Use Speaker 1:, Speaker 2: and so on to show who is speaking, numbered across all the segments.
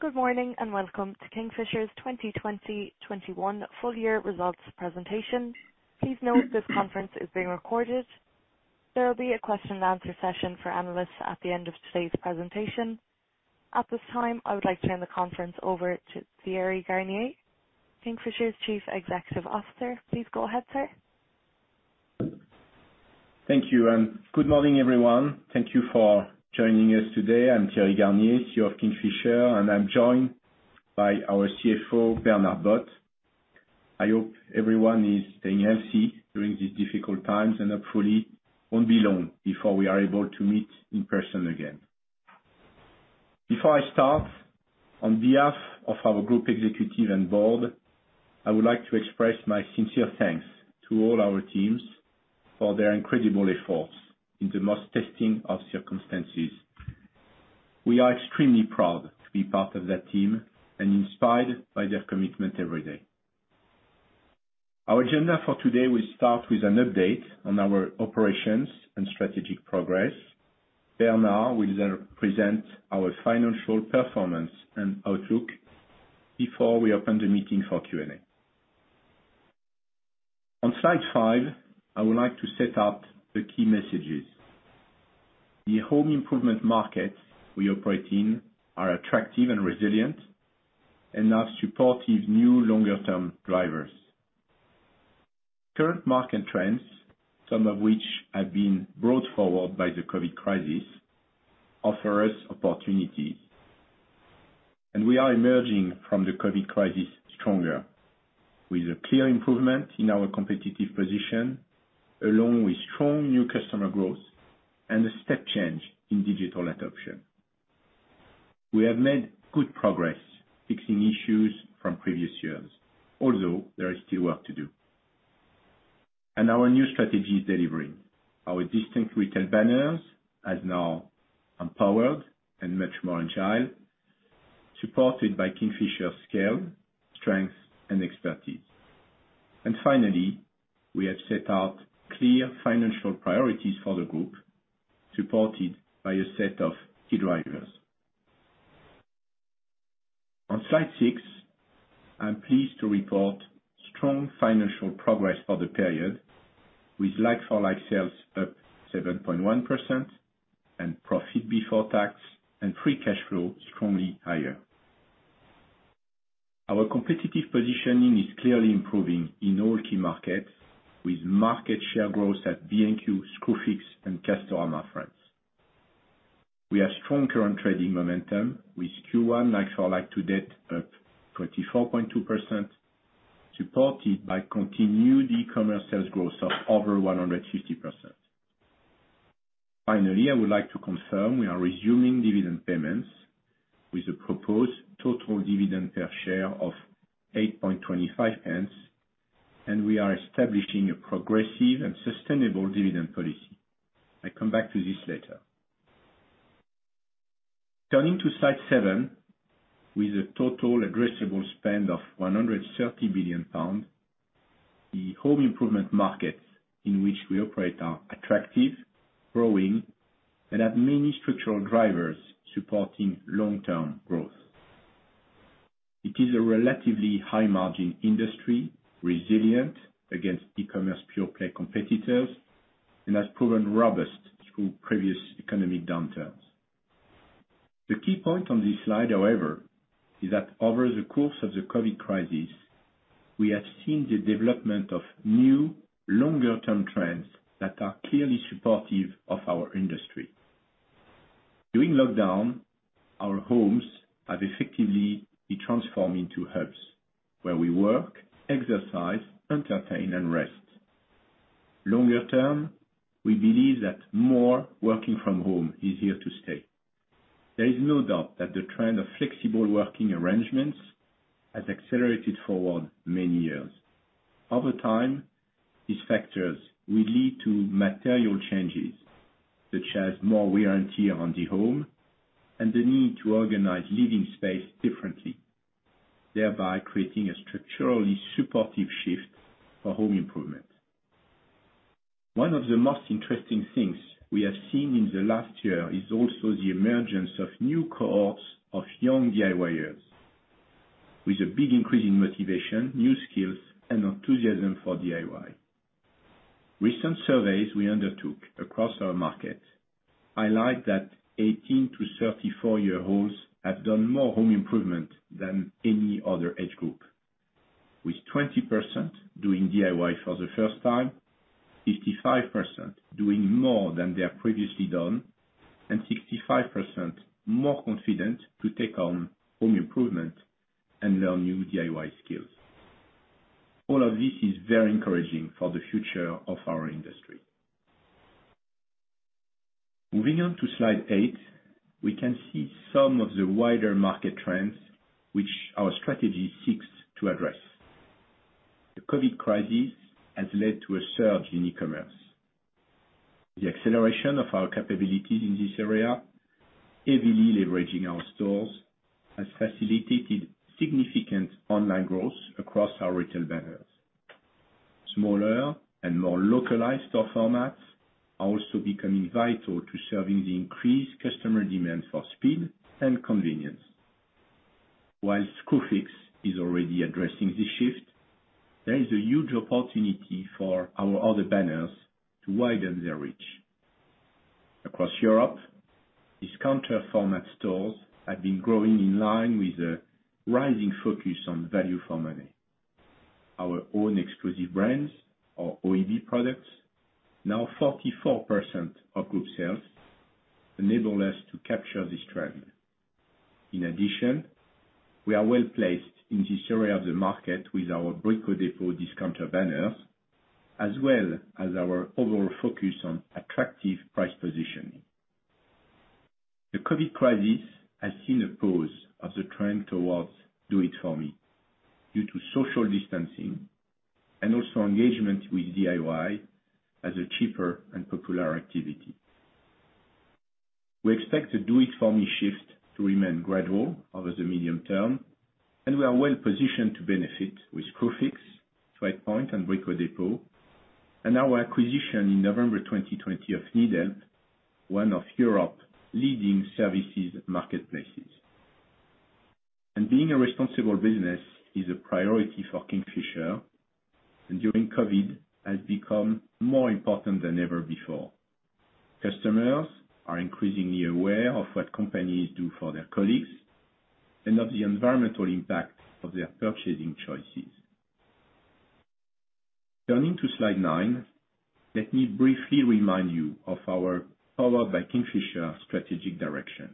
Speaker 1: Good morning, and welcome to Kingfisher's 2021 Full-Year Results Presentation. Please note this conference is being recorded. There will be a question and answer session for analysts at the end of today's presentation. At this time, I would like to turn the conference over to Thierry Garnier, Kingfisher's Chief Executive Officer. Please go ahead, sir.
Speaker 2: Thank you. Good morning, everyone. Thank you for joining us today. I'm Thierry Garnier, CEO of Kingfisher, and I'm joined by our CFO, Bernard Bot. I hope everyone is staying healthy during these difficult times, and hopefully it won't be long before we are able to meet in person again. Before I start, on behalf of our group executive and board, I would like to express my sincere thanks to all our teams for their incredible efforts in the most testing of circumstances. We are extremely proud to be part of that team and inspired by their commitment every day. Our agenda for today will start with an update on our operations and strategic progress. Bernard will then present our financial performance and outlook before we open the meeting for Q&A. On slide five, I would like to set out the key messages. The home improvement markets we operate in are attractive and resilient and have supportive new longer term drivers. Current market trends, some of which have been brought forward by the COVID crisis, offer us opportunities, and we are emerging from the COVID crisis stronger, with a clear improvement in our competitive position, along with strong new customer growth and a step change in digital adoption. We have made good progress fixing issues from previous years, although there is still work to do. Our new strategy is delivering our distinct retail banners as now empowered and much more agile, supported by Kingfisher scale, strength and expertise. Finally, we have set out clear financial priorities for the group, supported by a set of key drivers. On slide six, I'm pleased to report strong financial progress for the period, with like-for-like sales up 7.1% and profit before tax and free cash flow strongly higher. Our competitive positioning is clearly improving in all key markets, with market share growth at B&Q, Screwfix and Castorama France. We have strong current trading momentum with Q1 like-for-like to date up 24.2%, supported by continued e-commerce sales growth of over 150%. I would like to confirm we are resuming dividend payments with a proposed total dividend per share of 8.25, and we are establishing a progressive and sustainable dividend policy. I come back to this later. Turning to slide seven, with a total addressable spend of 130 billion pounds, the home improvement markets in which we operate are attractive, growing, and have many structural drivers supporting long-term growth. It is a relatively high margin industry, resilient against e-commerce pure play competitors, and has proven robust through previous economic downturns. The key point on this slide, however, is that over the course of the COVID crisis, we have seen the development of new longer term trends that are clearly supportive of our industry. During lockdown, our homes have effectively been transformed into hubs where we work, exercise, entertain, and rest. Longer term, we believe that more working from home is here to stay. There is no doubt that the trend of flexible working arrangements has accelerated forward many years. Over time, these factors will lead to material changes such as more we guarantee on the home and the need to organize living space differently, thereby creating a structurally supportive shift for home improvement. One of the most interesting things we have seen in the last year is also the emergence of new cohorts of young DIYers with a big increase in motivation, new skills and enthusiasm for DIY. Recent surveys we undertook across our markets highlight that 18 to 34 year olds have done more home improvement than any other age group. With 20% doing DIY for the first time, 55% doing more than they have previously done, and 65% more confident to take on home improvement and learn new DIY skills. All of this is very encouraging for the future of our industry. Moving on to slide eight, we can see some of the wider market trends which our strategy seeks to address. The COVID crisis has led to a surge in e-commerce. The acceleration of our capabilities in this area, heavily leveraging our stores, has facilitated significant online growth across our retail banners. Smaller and more localized store formats are also becoming vital to serving the increased customer demand for speed and convenience. While Screwfix is already addressing this shift, there is a huge opportunity for our other banners to widen their reach. Across Europe, discounter format stores have been growing in line with a rising focus on value for money. Our own exclusive brands, our OEB products, now 44% of group sales, enable us to capture this trend. In addition, we are well-placed in this area of the market with our Brico Dépôt discounter banners, as well as our overall focus on attractive price positioning. The COVID crisis has seen a pause of the trend towards do it for me, due to social distancing, and also engagement with DIY as a cheaper and popular activity. We expect the do it for me shift to remain gradual over the medium term, we are well positioned to benefit with Screwfix, TradePoint and Brico Dépôt, and our acquisition in November 2020 of NeedHelp, one of Europe's leading services marketplaces. Being a responsible business is a priority for Kingfisher, and during COVID, has become more important than ever before. Customers are increasingly aware of what companies do for their colleagues and of the environmental impact of their purchasing choices. Turning to slide nine, let me briefly remind you of our Powered by Kingfisher strategic direction.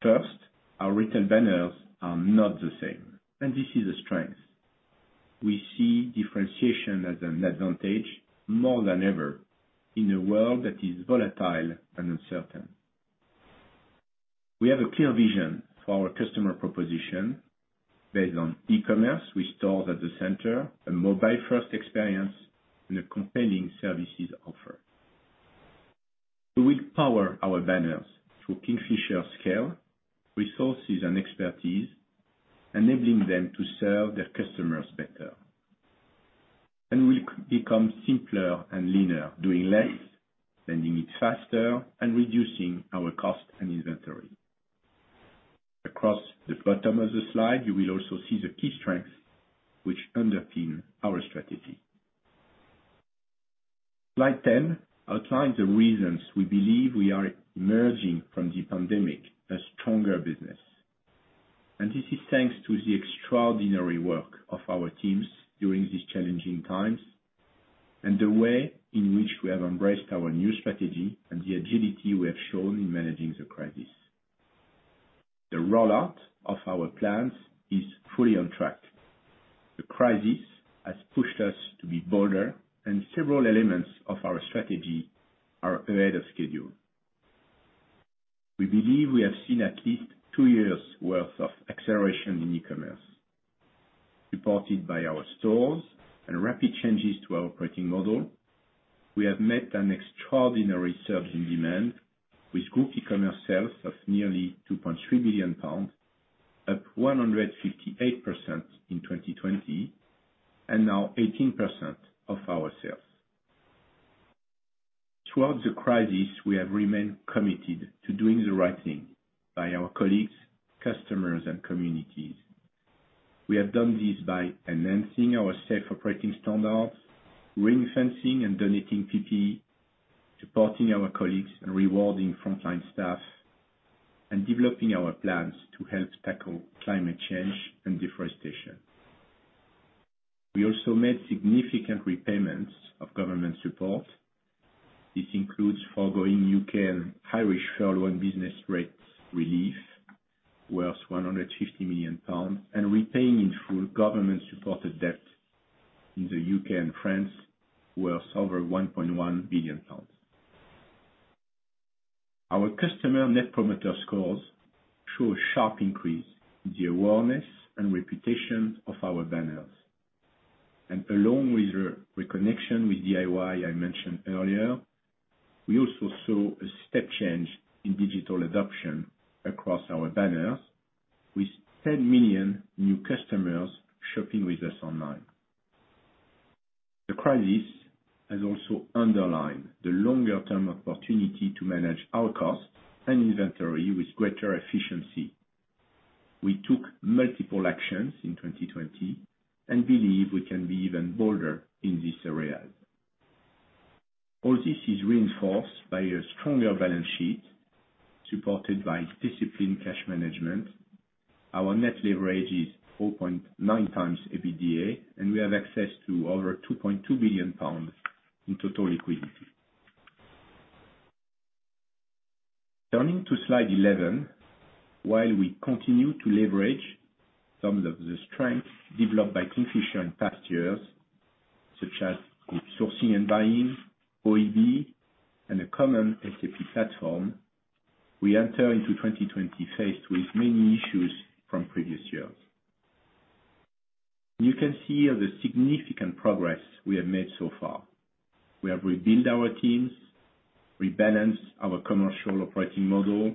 Speaker 2: First, our retail banners are not the same, and this is a strength. We see differentiation as an advantage more than ever in a world that is volatile and uncertain. We have a clear vision for our customer proposition based on e-commerce with stores at the center, a mobile-first experience, and a compelling services offer. We will power our banners through Kingfisher scale, resources, and expertise, enabling them to serve their customers better. We'll become simpler and leaner, doing less, sending it faster, and reducing our cost and inventory. Across the bottom of the slide, you will also see the key strengths which underpin our strategy. Slide 10 outlines the reasons we believe we are emerging from the pandemic a stronger business. This is thanks to the extraordinary work of our teams during these challenging times, and the way in which we have embraced our new strategy and the agility we have shown in managing the crisis. The rollout of our plans is fully on track. The crisis has pushed us to be bolder, and several elements of our strategy are ahead of schedule. We believe we have seen at least two years' worth of acceleration in e-commerce. Supported by our stores and rapid changes to our operating model, we have met an extraordinary surge in demand with group e-commerce sales of nearly 2.3 billion pounds, up 158% in 2020, and now 18% of our sales. Throughout the crisis, we have remained committed to doing the right thing by our colleagues, customers, and communities. We have done this by enhancing our safe operating standards, ring-fencing and donating PPE, supporting our colleagues, and rewarding frontline staff, and developing our plans to help tackle climate change and deforestation. We also made significant repayments of government support. This includes foregoing U.K. and Irish furlough and business rates relief worth 150 million pounds, and repaying in full government-supported debt in the U.K. and France worth over 1.1 billion pounds. Our customer net promoter scores show a sharp increase in the awareness and reputation of our banners. Along with the reconnection with DIY I mentioned earlier, we also saw a step change in digital adoption across our banners, with 10 million new customers shopping with us online. The crisis has also underlined the longer-term opportunity to manage our costs and inventory with greater efficiency. We took multiple actions in 2020 and believe we can be even bolder in this area. All this is reinforced by a stronger balance sheet, supported by disciplined cash management. Our net leverage is 4.9x EBITDA. We have access to over 2.2 billion pounds in total liquidity. Turning to slide 11, while we continue to leverage some of the strengths developed by Kingfisher in past years, such as group sourcing and buying, OEB, and a common SAP platform, we enter into 2020 faced with many issues from previous years. You can see the significant progress we have made so far. We have rebuilt our teams, rebalanced our commercial operating model,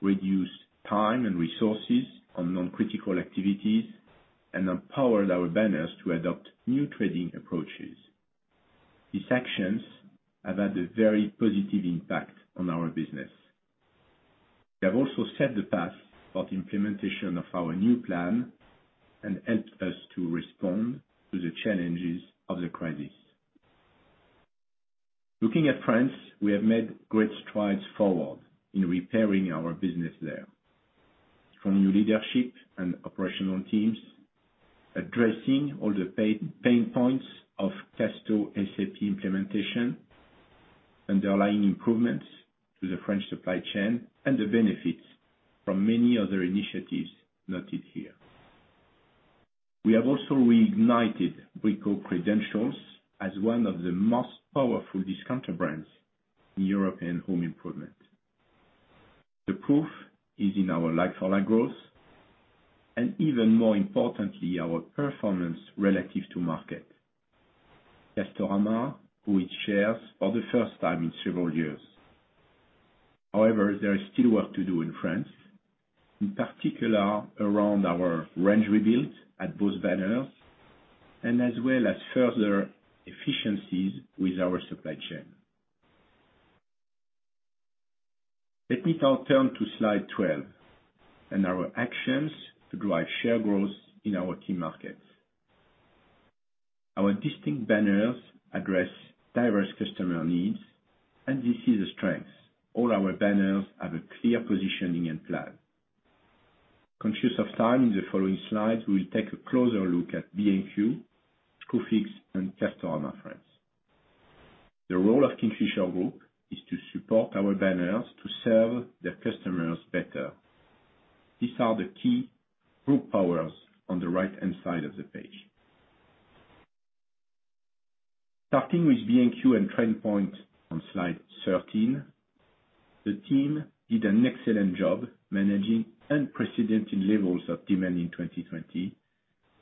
Speaker 2: reduced time and resources on non-critical activities, and empowered our banners to adopt new trading approaches. These actions have had a very positive impact on our business. They have also set the path for the implementation of our new plan and helped us to respond to the challenges of the crisis. Looking at France, we have made great strides forward in repairing our business there. From new leadership and operational teams, addressing all the pain points of Casto SAP implementation, underlying improvements to the French supply chain, and the benefits from many other initiatives noted here. We have also reignited Brico credentials as one of the most powerful discounter brands in European home improvement. The proof is in our like-for-like growth, and even more importantly, our performance relative to market. Castorama grew its shares for the first time in several years. There is still work to do in France, in particular around our range rebuild at both banners and as well as further efficiencies with our supply chain. Let me now turn to slide 12 and our actions to drive share growth in our key markets. Our distinct banners address diverse customer needs, and this is a strength. All our banners have a clear positioning and plan. Conscious of time, in the following slide, we will take a closer look at B&Q, Screwfix, and Castorama France. The role of Kingfisher Group is to support our banners to serve their customers better. These are the key group powers on the right-hand side of the page. Starting with B&Q and TradePoint on slide 13, the team did an excellent job managing unprecedented levels of demand in 2020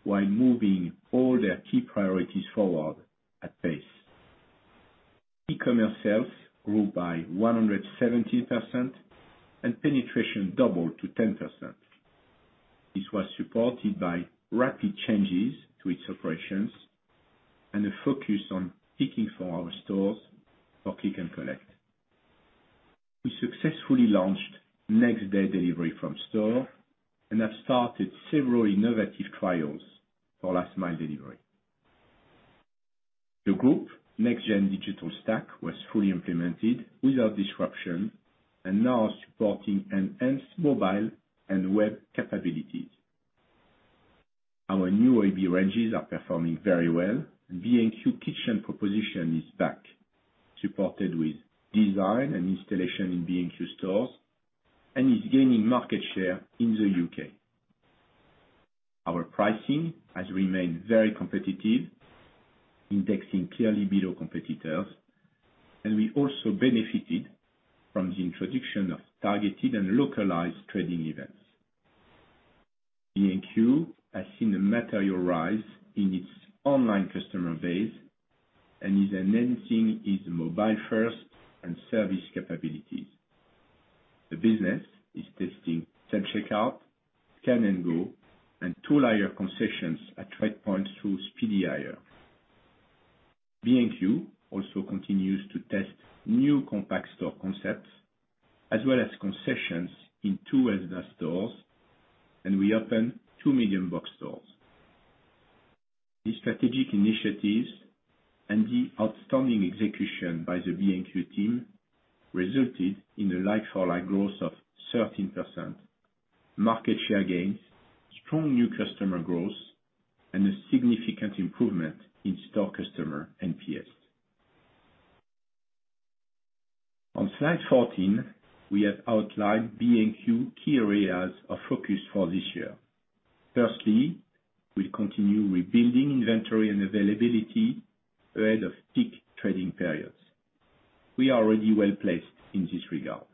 Speaker 2: while moving all their key priorities forward at pace. E-commerce sales grew by 117% and penetration doubled to 10%. This was supported by rapid changes to its operations and a focus on picking for our stores for click and collect. We successfully launched next day delivery from store and have started several innovative trials for last mile delivery. The group next-gen digital stack was fully implemented without disruption and now supporting enhanced mobile and web capabilities. Our new OEB ranges are performing very well. B&Q kitchen proposition is back, supported with design and installation in B&Q stores and is gaining market share in the U.K. Our pricing has remained very competitive, indexing clearly below competitors, and we also benefited from the introduction of targeted and localized trading events. B&Q has seen a material rise in its online customer base and is enhancing its mobile first and service capabilities. The business is testing self-checkout, scan and go, and two aisle concessions at TradePoint through Speedy Hire. B&Q also continues to test new compact store concepts as well as concessions in two Asda stores and we open two medium box stores. These strategic initiatives and the outstanding execution by the B&Q team resulted in a like-for-like growth of 13%, market share gains, strong new customer growth, and a significant improvement in store customer NPS. On slide 14, we have outlined B&Q key areas of focus for this year. Firstly, we continue rebuilding inventory and availability ahead of peak trading periods. We are already well-placed in this regard.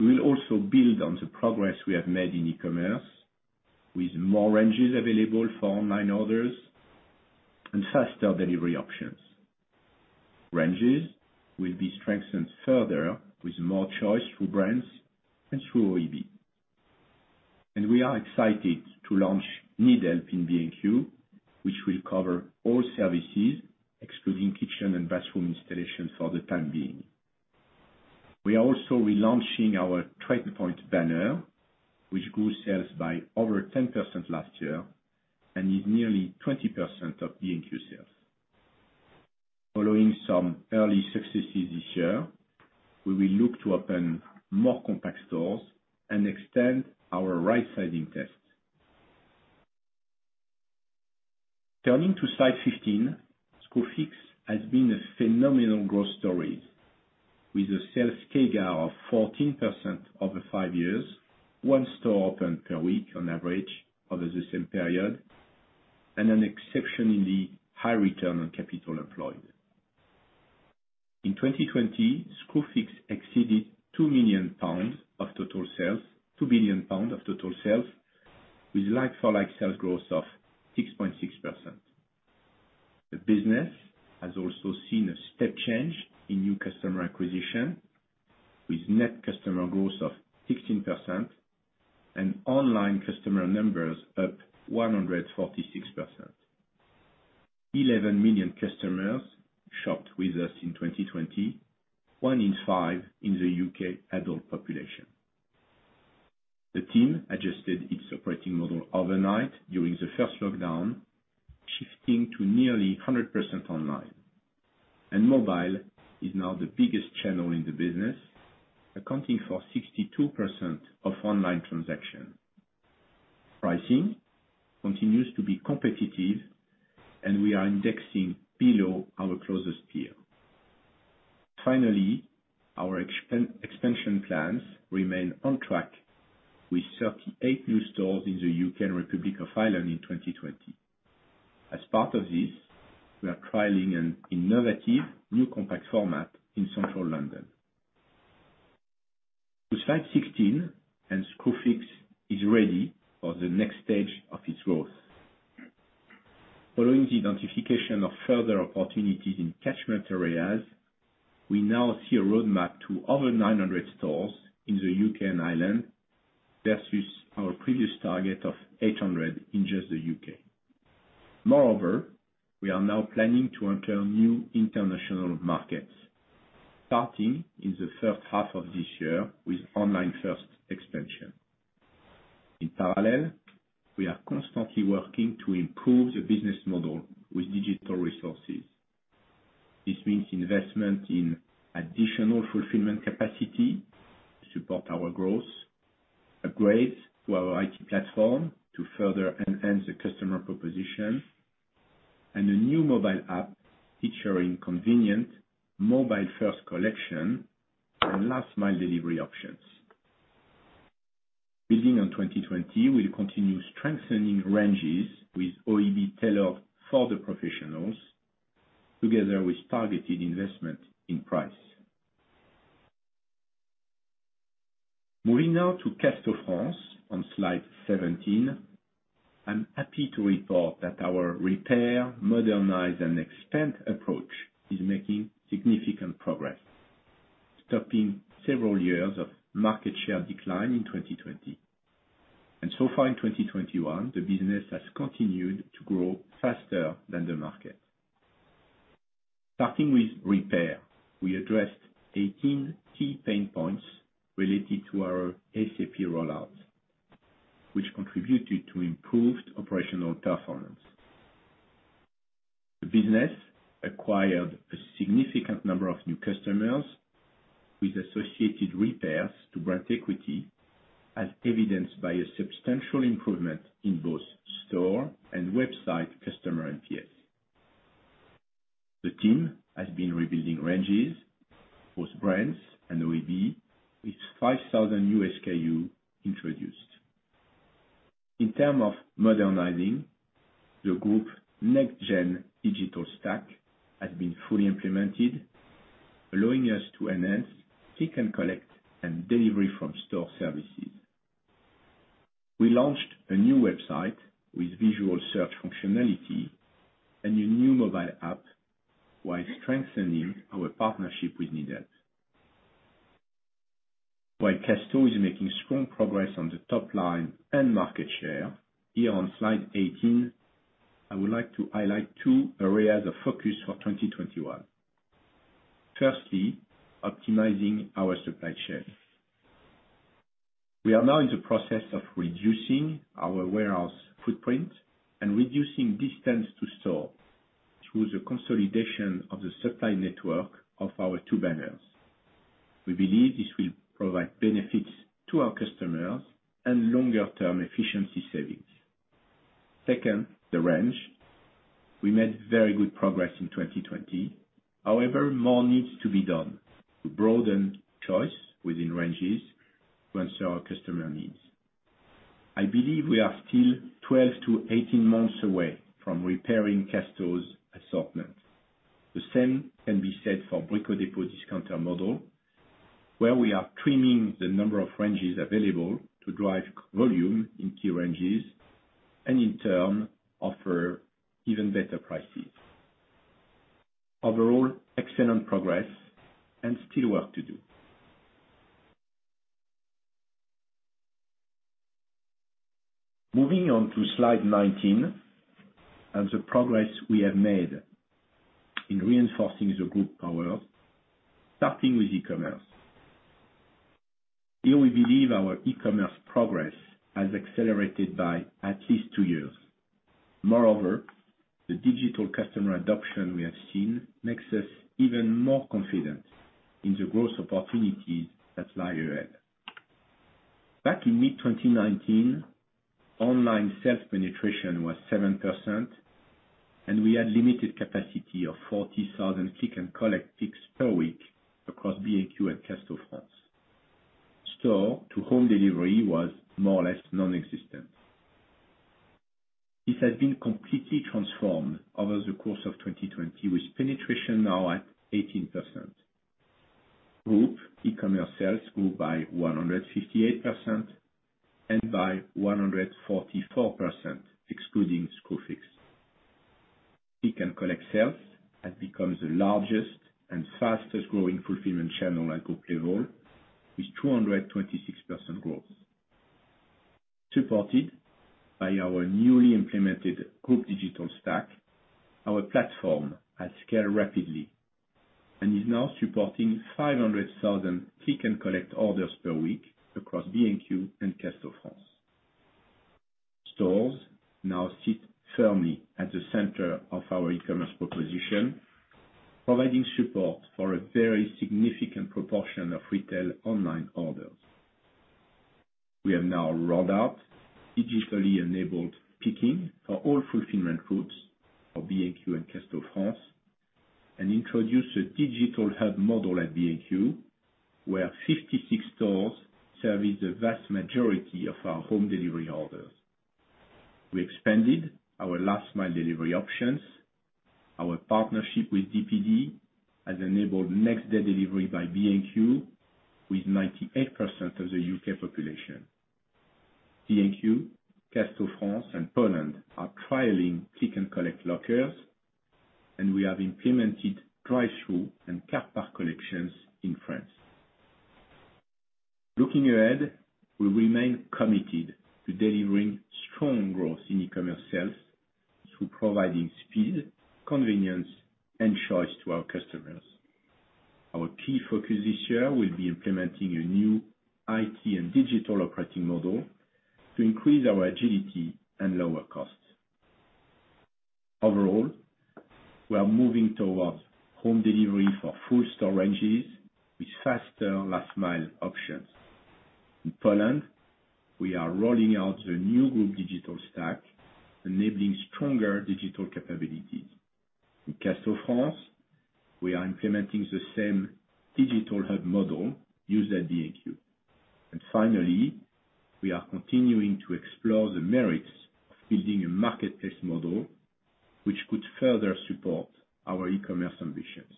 Speaker 2: We will also build on the progress we have made in e-commerce with more ranges available for online orders and faster delivery options. Ranges will be strengthened further with more choice through brands and through OEB. We are excited to launch NeedHelp in B&Q, which will cover all services excluding kitchen and bathroom installation for the time being. We are also relaunching our TradePoint banner, which grew sales by over 10% last year and is nearly 20% of B&Q sales. Following some early successes this year, we will look to open more compact stores and extend our right-sizing tests. Turning to slide 15, Screwfix has been a phenomenal growth story with a sales CAGR of 14% over five years, one store open per week on average over the same period, and an exceptionally high return on capital employed. In 2020, Screwfix exceeded 2 billion pounds of total sales with like-for-like sales growth of 6.6%. The business has also seen a step change in new customer acquisition with net customer growth of 16% and online customer numbers up 146%. 11 million customers shopped with us in 2020, one in five in the U.K. adult population. The team adjusted its operating model overnight during the first lockdown, shifting to nearly 100% online. Mobile is now the biggest channel in the business, accounting for 62% of online transaction. Pricing continues to be competitive. We are indexing below our closest peer. Finally, our expansion plans remain on track with 38 new stores in the U.K. and Republic of Ireland in 2020. As part of this, we are trialing an innovative new compact format in central London. With Slide 16, and Screwfix is ready for the next stage of its growth. Following the identification of further opportunities in catchment areas, we now see a roadmap to over 900 stores in the U.K. and Ireland versus our previous target of 800 in just the U.K. Moreover, we are now planning to enter new international markets, starting in the first half of this year with online first expansion. In parallel, we are constantly working to improve the business model with digital resources. This means investment in additional fulfillment capacity to support our growth, upgrades to our IT platform to further enhance the customer proposition, and a new mobile app featuring convenient mobile-first collection and last-mile delivery options. Building on 2020, we'll continue strengthening ranges with OEB tailored for the professionals together with targeted investment in price. Moving now to Castorama on Slide 17. I'm happy to report that our repair, modernize, and expand approach is making significant progress, stopping several years of market share decline in 2020. So far in 2021, the business has continued to grow faster than the market. Starting with repair, we addressed 18 key pain points related to our SAP rollout, which contributed to improved operational performance. The business acquired a significant number of new customers with associated repairs to grant equity, as evidenced by a substantial improvement in both store and website customer NPS. The team has been rebuilding ranges with brands and OEB with 5,000 new SKU introduced. In terms of modernizing, the group next-gen digital stack has been fully implemented, allowing us to enhance click and collect and delivery from store services. We launched a new website with visual search functionality and a new mobile app while strengthening our partnership with NeedHelp. Casto is making strong progress on the top line and market share, here on Slide 18, I would like to highlight two areas of focus for 2021. Firstly, optimizing our supply chain. We are now in the process of reducing our warehouse footprint and reducing distance to store through the consolidation of the supply network of our two banners. We believe this will provide benefits to our customers and longer-term efficiency savings. Second, the range. We made very good progress in 2020. However, more needs to be done to broaden choice within ranges to answer our customer needs. I believe we are still 12 to 18 months away from repairing Casto's assortment. The same can be said for Brico Dépôt discounter model, where we are trimming the number of ranges available to drive volume in key ranges and in turn, offer even better prices. Overall, excellent progress and still work to do. Moving on to Slide 19 and the progress we have made in reinforcing the group power, starting with e-commerce. Here, we believe our e-commerce progress has accelerated by at least two years. Moreover, the digital customer adoption we have seen makes us even more confident in the growth opportunities that lie ahead. Back in mid-2019, online sales penetration was 7%, and we had limited capacity of 40,000 click and collect picks per week across B&Q and Castorama. Store-to-home delivery was more or less nonexistent. This has been completely transformed over the course of 2020, with penetration now at 18%. Group e-commerce sales grew by 158% and by 144%, excluding Screwfix. click and collect sales has become the largest and fastest-growing fulfillment channel at group level, with 226% growth. Supported by our newly implemented group digital stack, our platform has scaled rapidly and is now supporting 500,000 click and collect orders per week across B&Q and Castorama. Stores now sit firmly at the center of our e-commerce proposition, providing support for a very significant proportion of retail online orders. We have now rolled out digitally enabled picking for all fulfillment routes for B&Q and Castorama, and introduced a digital hub model at B&Q, where 56 stores service the vast majority of our home delivery orders. We expanded our last mile delivery options. Our partnership with DPD has enabled next day delivery by B&Q with 98% of the U.K. population. B&Q, Castorama, and Poland are trialing click and collect lockers, and we have implemented drive-through and car park collections in France. Looking ahead, we remain committed to delivering strong growth in e-commerce sales through providing speed, convenience, and choice to our customers. Our key focus this year will be implementing a new IT and digital operating model to increase our agility and lower costs. Overall, we are moving towards home delivery for full storages with faster last mile options. In Poland, we are rolling out the new group digital stack, enabling stronger digital capabilities. In Castorama, we are implementing the same digital hub model used at B&Q. Finally, we are continuing to explore the merits of building a marketplace model which could further support our e-commerce ambitions.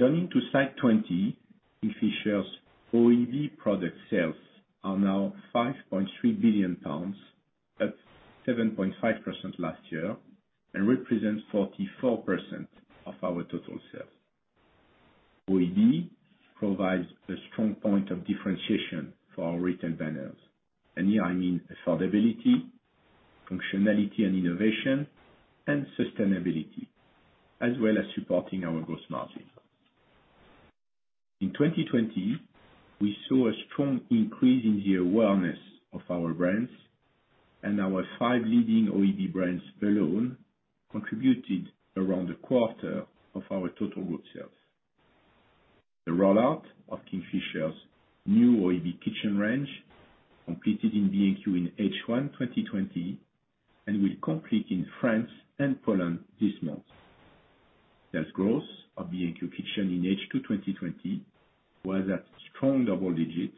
Speaker 2: Turning to site 20, Kingfisher's OEB product sales are now 5.3 billion pounds, up 7.5% last year, and represents 44% of our total sales. OEB provides a strong point of differentiation for our retail banners. Here, I mean affordability, functionality and innovation, and sustainability, as well as supporting our gross margin. In 2020, we saw a strong increase in the awareness of our brands, and our five leading OEB brands alone contributed around a quarter of our total group sales. The rollout of Kingfisher's new OEB kitchen range completed in B&Q in H1 2020 and will complete in France and Poland this month. Sales growth of B&Q kitchen in H2 2020 was at strong double digits,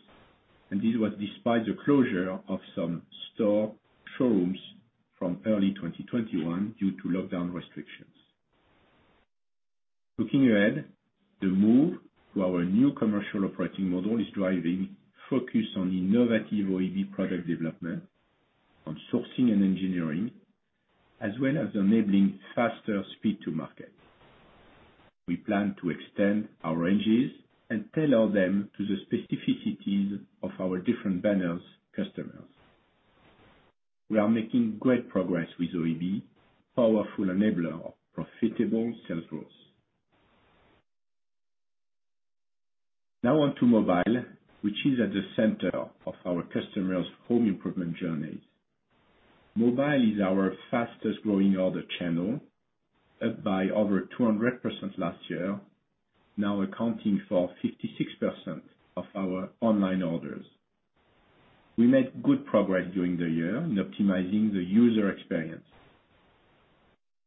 Speaker 2: and this was despite the closure of some store showrooms from early 2021 due to lockdown restrictions. Looking ahead, the move to our new commercial operating model is driving focus on innovative OEB product development, on sourcing and engineering, as well as enabling faster speed to market. We plan to extend our ranges and tailor them to the specificities of our different banners' customers. We are making great progress with OEB, powerful enabler of profitable sales growth. Now on to mobile, which is at the center of our customers' home improvement journeys. Mobile is our fastest growing order channel, up by over 200% last year, now accounting for 56% of our online orders. We made good progress during the year in optimizing the user experience.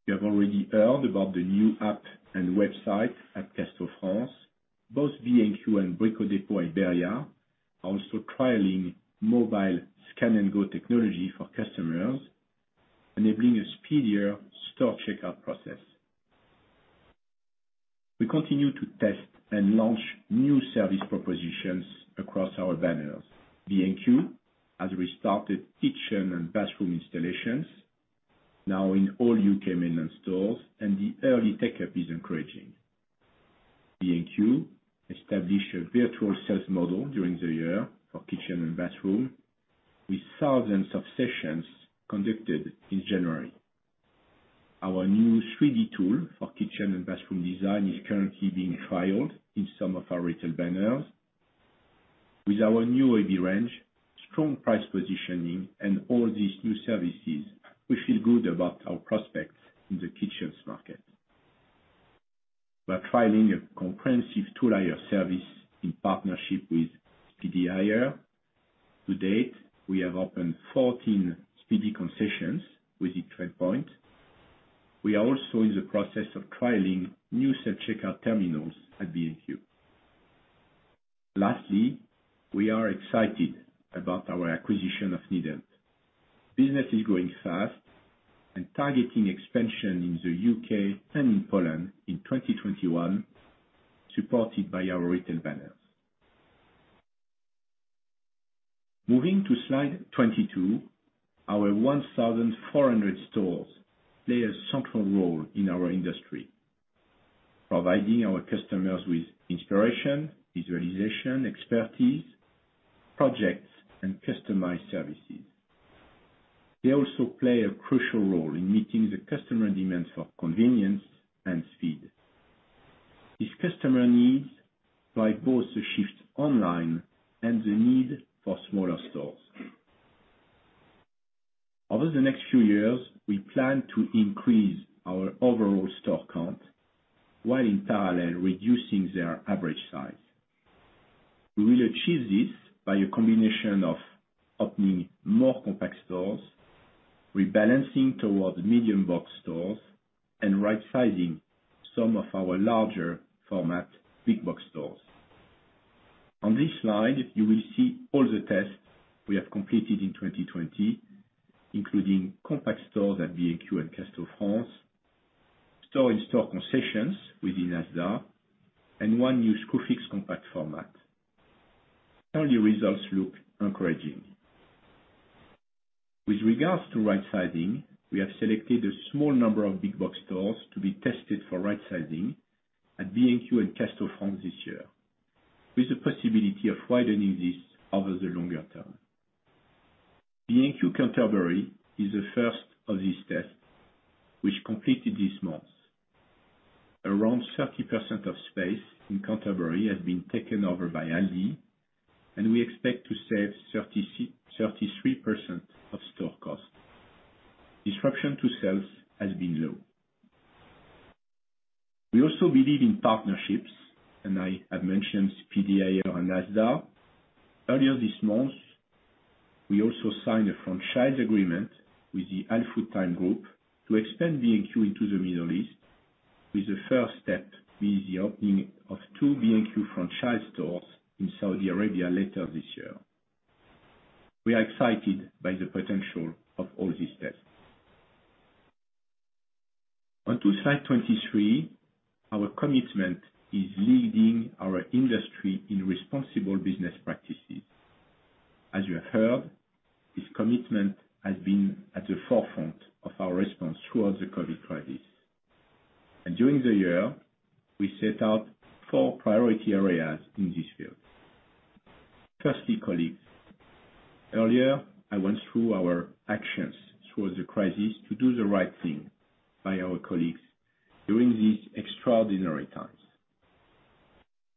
Speaker 2: You have already heard about the new app and website at Castorama. Both B&Q and Brico Dépôt Iberia are also trialing mobile scan and go technology for customers, enabling a speedier store checkout process. We continue to test and launch new service propositions across our banners. B&Q has restarted kitchen and bathroom installations now in all U.K. mainland stores, and the early take-up is encouraging. B&Q established a virtual sales model during the year for kitchen and bathroom, with thousands of sessions conducted in January. Our new 3D tool for kitchen and bathroom design is currently being trialed in some of our retail banners. With our new OEB range, strong price positioning, and all these new services, we feel good about our prospects in the kitchens market. We are trialing a comprehensive tool hire service in partnership with Speedy Hire. To date, we have opened 14 Speedy concessions with TradePoint. We are also in the process of trialing new self-checkout terminals at B&Q. Lastly, we are excited about our acquisition of NeedHelp. Business is growing fast and targeting expansion in the U.K. and in Poland in 2021, supported by our retail banners. Moving to Slide 22, our 1,400 stores play a central role in our industry, providing our customers with inspiration, visualization, expertise, projects, and customized services. They also play a crucial role in meeting the customer demands for convenience and speed. These customer needs drive both the shift online and the need for smaller stores. Over the next few years, we plan to increase our overall store count while in parallel reducing their average size. We will achieve this by a combination of opening more compact stores, rebalancing towards medium box stores, and right sizing some of our larger format big box stores. On this slide, you will see all the tests we have completed in 2020, including compact stores at B&Q and Castorama, store-in-store concessions within Asda, and one new Screwfix compact format. Early results look encouraging. With regards to rightsizing, we have selected a small number of big box stores to be tested for rightsizing at B&Q and Castorama this year, with the possibility of widening this over the longer term. B&Q Canterbury is the first of this test, which completed this month. Around 30% of space in Canterbury has been taken over by Aldi, and we expect to save 33% of store cost. Disruption to sales has been low. We also believe in partnerships, and I have mentioned PDA and Asda. Earlier this month, we also signed a franchise agreement with the Al-Futtaim Group to expand B&Q into the Middle East, with the first step being the opening of two B&Q franchise stores in Saudi Arabia later this year. We are excited by the potential of all these tests. Onto Slide 23, our commitment is leading our industry in responsible business practices. As you have heard, this commitment has been at the forefront of our response throughout the COVID crisis. During the year, we set out four priority areas in this field. Firstly, colleagues. Earlier, I went through our actions throughout the crisis to do the right thing by our colleagues during these extraordinary times.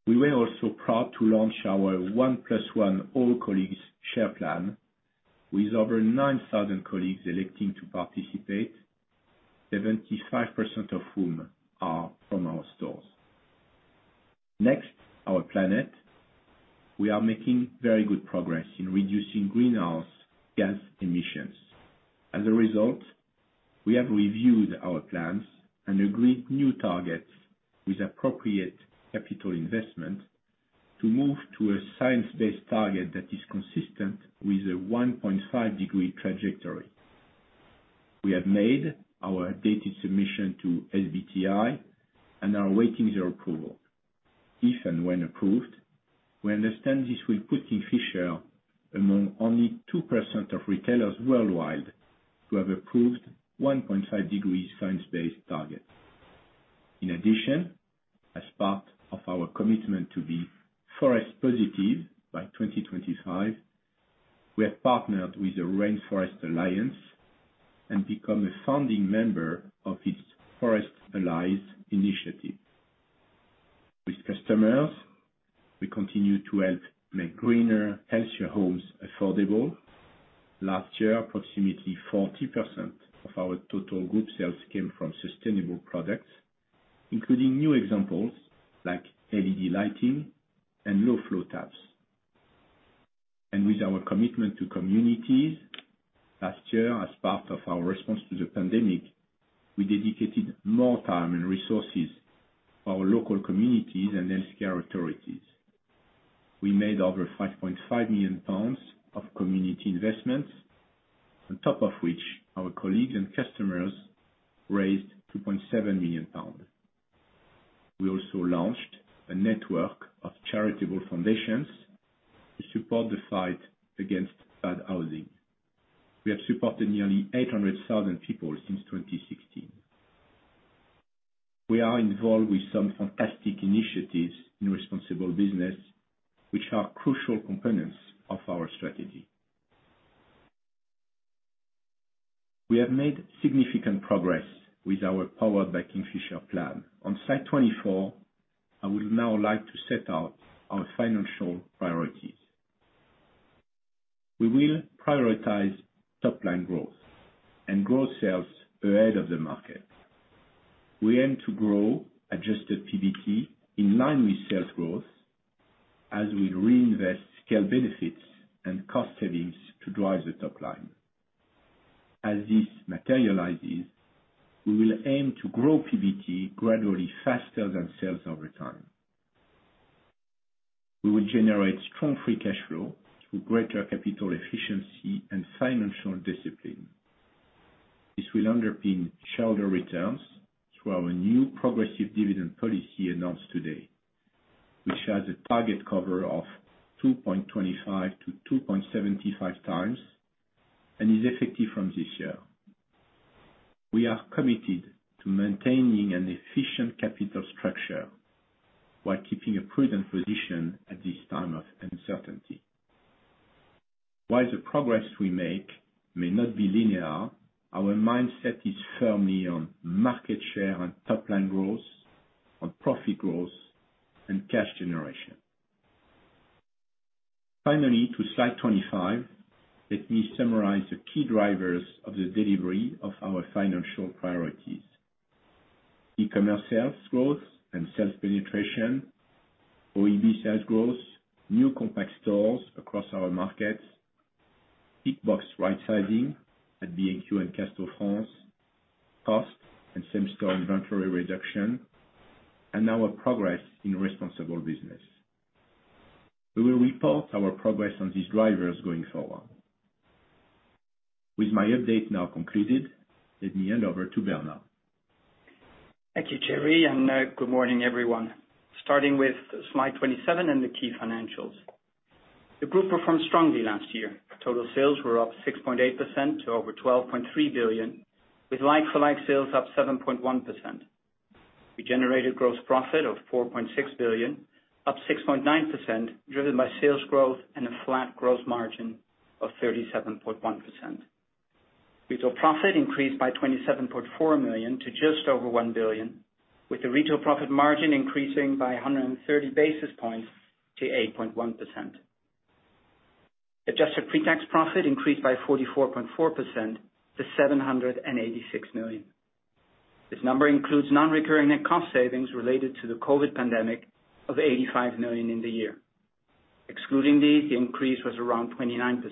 Speaker 2: We were also proud to launch our 1+1 All-Colleague Share Plan with over 9,000 colleagues electing to participate, 75% of whom are from our stores. Next, our planet. We are making very good progress in reducing greenhouse gas emissions. As a result, we have reviewed our plans and agreed new targets with appropriate capital investment to move to a science-based target that is consistent with a 1.5 degree trajectory. We have made our updated submission to SBTi and are awaiting their approval. If and when approved, we understand this will put Kingfisher among only 2% of retailers worldwide who have approved 1.5 degrees science-based target. In addition, as part of our commitment to be forest positive by 2025, we have partnered with the Rainforest Alliance and become a founding member of its Forest Allies initiative. With customers, we continue to help make greener, healthier homes affordable. Last year, approximately 40% of our total group sales came from sustainable products, including new examples like LED lighting and low-flow taps. With our commitment to communities, last year as part of our response to the pandemic, we dedicated more time and resources for our local communities and healthcare authorities. We made over 5.5 million pounds of community investments, on top of which our colleagues and customers raised 2.7 million pounds. We also launched a network of charitable foundations to support the fight against bad housing. We have supported nearly 800,000 people since 2016. We are involved with some fantastic initiatives in responsible business, which are crucial components of our strategy. We have made significant progress with our Powered by Kingfisher plan. On Slide 24, I would now like to set out our financial priorities. We will prioritize top-line growth and grow sales ahead of the market. We aim to grow adjusted PBT in line with sales growth as we reinvest scale benefits and cost savings to drive the top line. As this materializes, we will aim to grow PBT gradually faster than sales over time. We will generate strong free cash flow through greater capital efficiency and financial discipline. This will underpin shareholder returns through our new progressive dividend policy announced today, which has a target cover of 2.25 to 2.75 times and is effective from this year. We are committed to maintaining an efficient capital structure while keeping a prudent position at this time of uncertainty. While the progress we make may not be linear, our mindset is firmly on market share and top-line growth, on profit growth and cash generation. Finally, to slide 25, let me summarize the key drivers of the delivery of our financial priorities. E-commerce sales growth and sales penetration, OEB sales growth, new compact stores across our markets, big box rightsizing at B&Q and Castorama, cost and same-store inventory reduction, and our progress in responsible business. We will report our progress on these drivers going forward. With my update now concluded, let me hand over to Bernard.
Speaker 3: Thank you, Thierry. Good morning, everyone. Starting with slide 27 and the key financials. The group performed strongly last year. Total sales were up 6.8% to over 12.3 billion, with like-for-like sales up 7.1%. We generated gross profit of 4.6 billion, up 6.9%, driven by sales growth and a flat gross margin of 37.1%. Retail profit increased by 27.4 million to just over 1 billion, with the retail profit margin increasing by 130 basis points to 8.1%. Adjusted pre-tax profit increased by 44.4% to 786 million. This number includes non-recurring net cost savings related to the COVID pandemic of 85 million in the year. Excluding these, the increase was around 29%.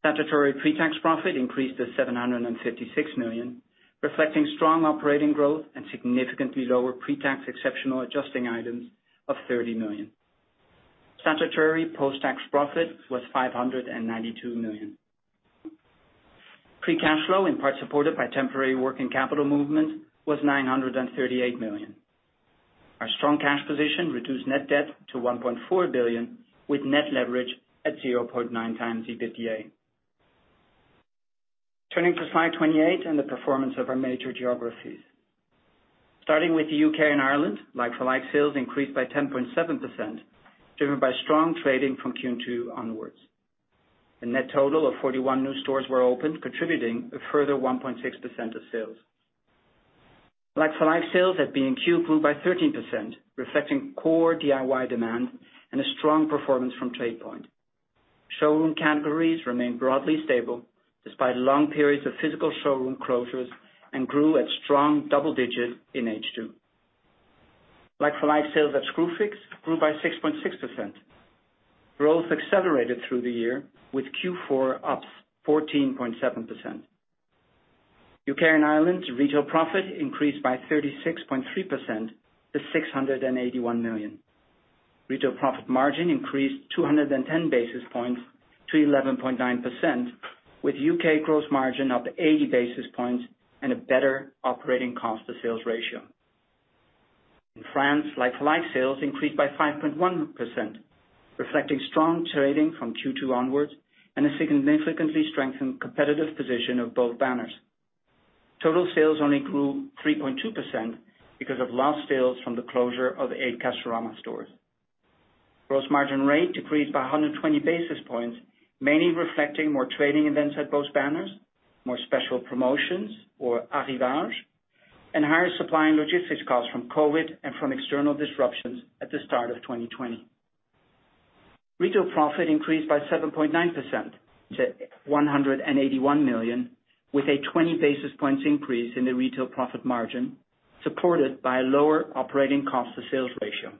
Speaker 3: Statutory pre-tax profit increased to GBP 756 million, reflecting strong operating growth and significantly lower pre-tax exceptional adjusting items of 30 million. Statutory post-tax profit was 592 million. Free cash flow, in part supported by temporary working capital movement, was 938 million. Our strong cash position reduced net debt to 1.4 billion, with net leverage at 0.9 times EBITDA. Turning to slide 28 and the performance of our major geographies. Starting with the U.K. and Ireland, like-for-like sales increased by 10.7%, driven by strong trading from Q2 onwards. A net total of 41 new stores were opened, contributing a further 1.6% of sales. Like-for-like sales at B&Q grew by 13%, reflecting core DIY demand and a strong performance from TradePoint. Showroom categories remained broadly stable despite long periods of physical showroom closures and grew at strong double digits in H2. Like-for-like sales at Screwfix grew by 6.6%. Growth accelerated through the year, with Q4 up 14.7%. U.K. and Ireland retail profit increased by 36.3% to 681 million. Retail profit margin increased 210 basis points to 11.9%, with U.K. gross margin up 80 basis points and a better operating cost to sales ratio. In France, like-for-like sales increased by 5.1%, reflecting strong trading from Q2 onwards and a significantly strengthened competitive position of both banners. Total sales only grew 3.2% because of lost sales from the closure of eight Castorama stores. Gross margin rate decreased by 120 basis points, mainly reflecting more trading events at both banners, more special promotions or arrivage, and higher supply and logistics costs from COVID and from external disruptions at the start of 2020. Retail profit increased by 7.9% to 181 million, with a 20 basis points increase in the retail profit margin, supported by a lower operating cost to sales ratio.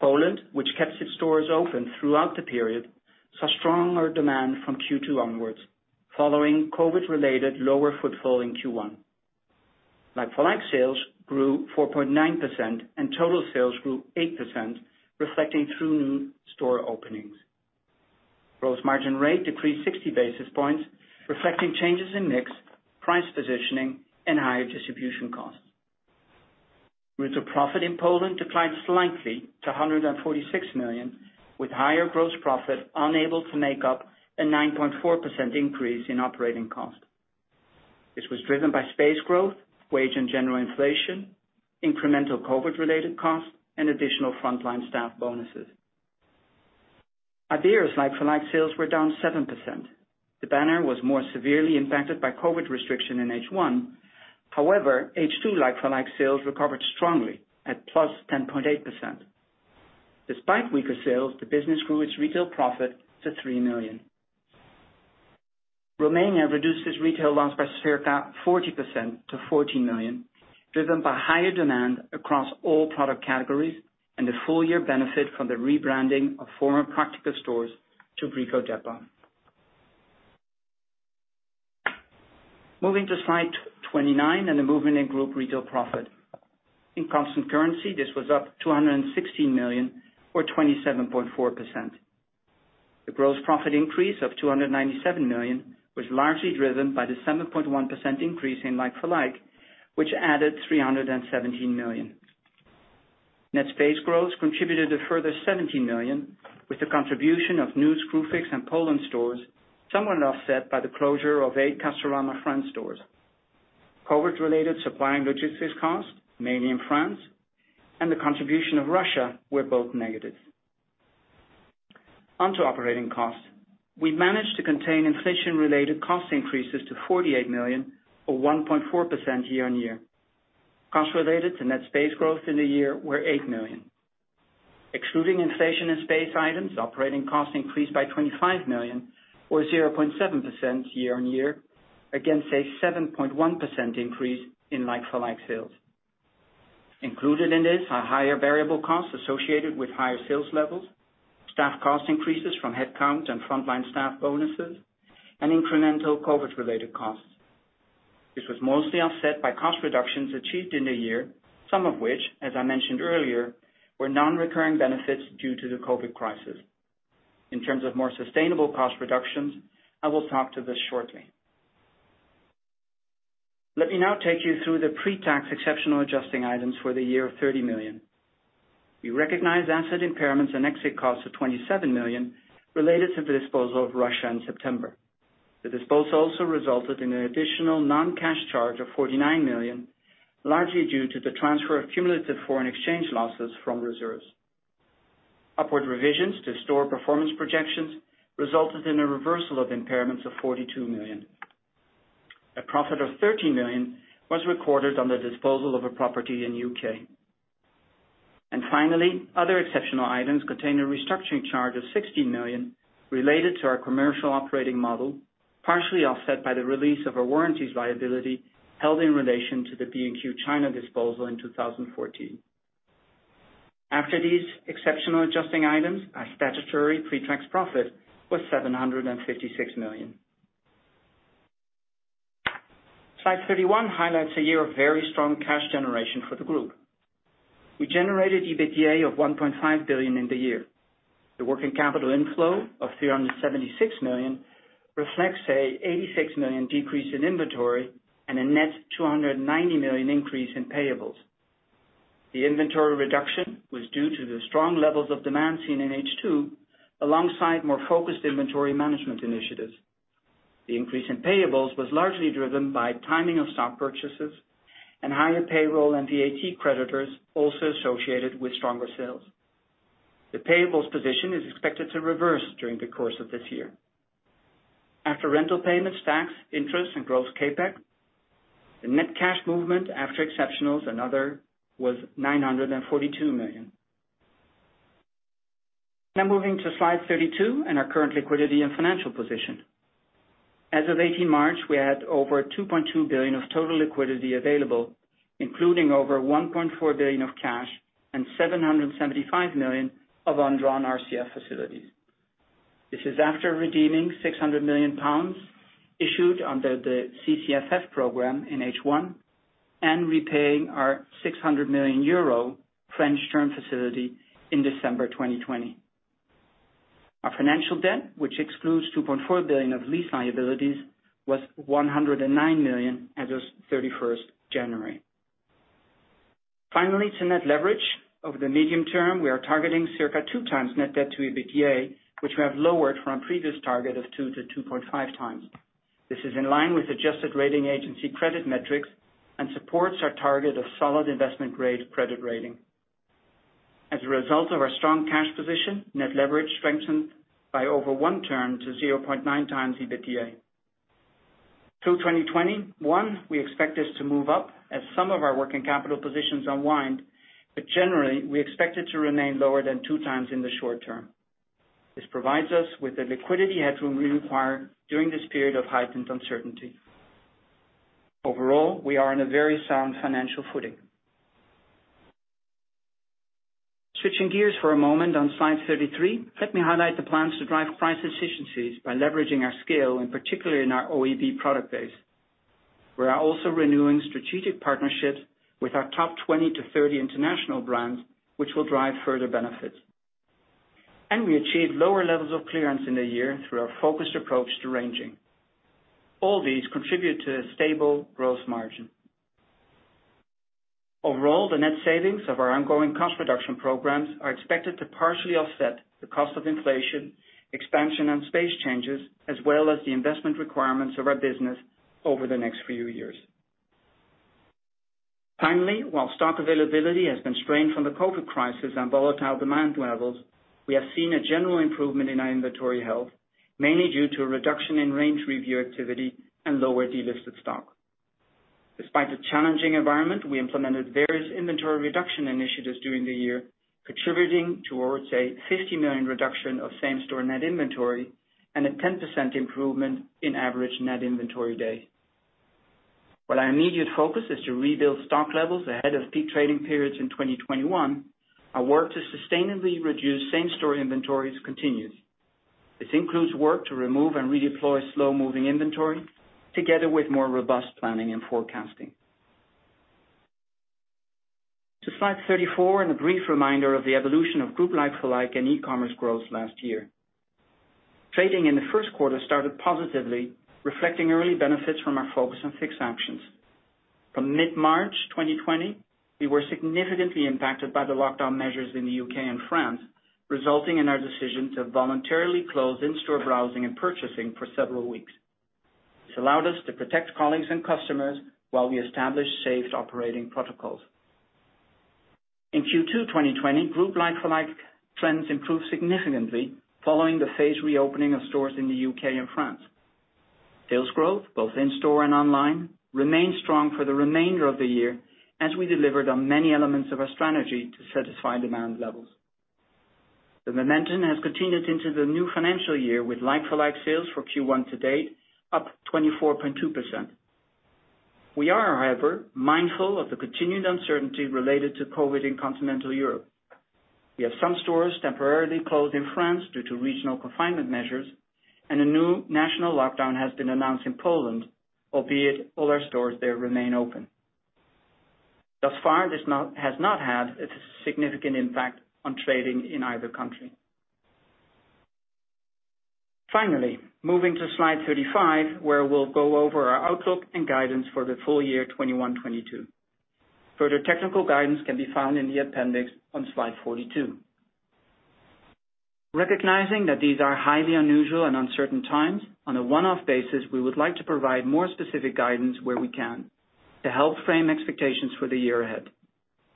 Speaker 3: Poland, which kept its stores open throughout the period, saw stronger demand from Q2 onwards, following COVID-related lower footfall in Q1. Like-for-like sales grew 4.9%, and total sales grew 8%, reflecting through new store openings. Gross margin rate decreased 60 basis points, reflecting changes in mix, price positioning, and higher distribution costs. Retail profit in Poland declined slightly to 146 million, with higher gross profit unable to make up a 9.4% increase in operating cost. This was driven by space growth, wage and general inflation, incremental COVID-related costs, and additional frontline staff bonuses. Adeo's like-for-like sales were down 7%. The banner was more severely impacted by COVID restriction in H1. However, H2 like-for-like sales recovered strongly at plus 10.8%. Despite weaker sales, the business grew its retail profit to 3 million. Romania reduced its retail loss by circa 40% to 14 million. Driven by higher demand across all product categories and the full year benefit from the rebranding of former Praktiker stores to Brico Dépôt. Moving to slide 29 and the movement in group retail profit. In constant currency, this was up 216 million or 27.4%. The gross profit increase of 297 million was largely driven by the 7.1% increase in like-for-like, which added 317 million. Net space growth contributed a further 17 million, with the contribution of new Screwfix and Poland stores somewhat offset by the closure of eight Castorama France stores. COVID related supply and logistics costs, mainly in France, and the contribution of Russia were both negative. On to operating costs. We managed to contain inflation related cost increases to 48 million or 1.4% year-on-year. Costs related to net space growth in the year were 8 million. Excluding inflation and space items, operating costs increased by 25 million or 0.7% year-on-year against a 7.1% increase in like-for-like sales. Included in this are higher variable costs associated with higher sales levels, staff cost increases from headcount and frontline staff bonuses, and incremental COVID related costs. This was mostly offset by cost reductions achieved in the year, some of which, as I mentioned earlier, were non-recurring benefits due to the COVID crisis. In terms of more sustainable cost reductions, I will talk to this shortly. Let me now take you through the pre-tax exceptional adjusting items for the year of 30 million. We recognized asset impairments and exit costs of 27 million related to the disposal of Russia in September. The disposal also resulted in an additional non-cash charge of 49 million, largely due to the transfer of cumulative foreign exchange losses from reserves. Upward revisions to store performance projections resulted in a reversal of impairments of 42 million. A profit of 13 million was recorded on the disposal of a property in U.K. Finally, other exceptional items contain a restructuring charge of 16 million related to our commercial operating model, partially offset by the release of a warranties liability held in relation to the B&Q China disposal in 2014. After these exceptional adjusting items, our statutory pre-tax profit was GBP 756 million. Slide 31 highlights a year of very strong cash generation for the group. We generated EBITDA of 1.5 billion in the year. The working capital inflow of 376 million reflects an 86 million decrease in inventory and a net 290 million increase in payables. The inventory reduction was due to the strong levels of demand seen in H2, alongside more focused inventory management initiatives. The increase in payables was largely driven by timing of stock purchases and higher payroll and VAT creditors also associated with stronger sales. The payables position is expected to reverse during the course of this year. After rental payments, tax, interest, and gross CapEx, the net cash movement after exceptionals and other was 942 million. Now moving to slide 32 and our current liquidity and financial position. As of 18 March, we had over 2.2 billion of total liquidity available, including over 1.4 billion of cash and 775 million of undrawn RCF facilities. This is after redeeming 600 million pounds issued under the CCFF program in H1 and repaying our 600 million euro French term facility in December 2020. Our financial debt, which excludes 2.4 billion of lease liabilities, was 109 million as of 31st January. Finally, to net leverage. Over the medium term, we are targeting circa two times net debt to EBITDA, which we have lowered from our previous target of two to 2.5 times. This is in line with adjusted rating agency credit metrics and supports our target of solid investment grade credit rating. As a result of our strong cash position, net leverage strengthened by over one time to 0.9 times EBITDA. Through 2021, we expect this to move up as some of our working capital positions unwind. Generally, we expect it to remain lower than two times in the short term. This provides us with the liquidity headroom we require during this period of heightened uncertainty. Overall, we are in a very sound financial footing. Switching gears for a moment on slide 33, let me highlight the plans to drive price efficiencies by leveraging our scale, particularly in our OEB product base. We are also renewing strategic partnerships with our top 20-30 international brands, which will drive further benefits. We achieved lower levels of clearance in the year through our focused approach to ranging. All these contribute to a stable gross margin. Overall, the net savings of our ongoing cost reduction programs are expected to partially offset the cost of inflation, expansion, and space changes, as well as the investment requirements of our business over the next few years. Finally, while stock availability has been strained from the COVID crisis and volatile demand levels, we have seen a general improvement in our inventory health, mainly due to a reduction in range review activity and lower delisted stock. Despite the challenging environment, we implemented various inventory reduction initiatives during the year, contributing towards a 50 million reduction of same-store net inventory and a 10% improvement in average net inventory days. While our immediate focus is to rebuild stock levels ahead of peak trading periods in 2021, our work to sustainably reduce same-store inventories continues. This includes work to remove and redeploy slow-moving inventory, together with more robust planning and forecasting. To slide 34, a brief reminder of the evolution of group like-for-like and e-commerce growth last year. Trading in the first quarter started positively, reflecting early benefits from our focus on fixed actions. From mid-March 2020, we were significantly impacted by the lockdown measures in the U.K. and France, resulting in our decision to voluntarily close in-store browsing and purchasing for several weeks. This allowed us to protect colleagues and customers while we established safe operating protocols. In Q2 2020, group like-for-like trends improved significantly following the phased reopening of stores in the U.K. and France. Sales growth, both in-store and online, remained strong for the remainder of the year as we delivered on many elements of our strategy to satisfy demand levels. The momentum has continued into the new financial year, with like-for-like sales for Q1 to date up 24.2%. We are, however, mindful of the continued uncertainty related to COVID in continental Europe. We have some stores temporarily closed in France due to regional confinement measures, and a new national lockdown has been announced in Poland, albeit all our stores there remain open. Thus far, this has not had a significant impact on trading in either country. Finally, moving to slide 35, where we'll go over our outlook and guidance for the full year 2021, 2022. Further technical guidance can be found in the appendix on slide 42. Recognizing that these are highly unusual and uncertain times, on a one-off basis, we would like to provide more specific guidance where we can to help frame expectations for the year ahead.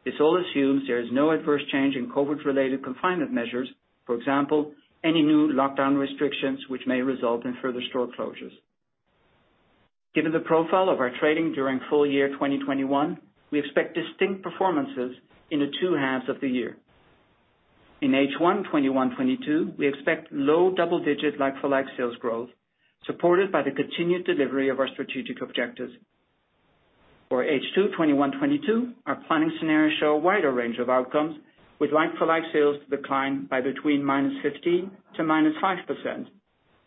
Speaker 3: This all assumes there is no adverse change in COVID-related confinement measures, for example, any new lockdown restrictions which may result in further store closures. Given the profile of our trading during full year 2021, we expect distinct performances in the two halves of the year. In H1 2021, 2022, we expect low double-digit like-for-like sales growth, supported by the continued delivery of our strategic objectives. For H2 2021, 2022, our planning scenarios show a wider range of outcomes, with like-for-like sales to decline by between -15% to -5%,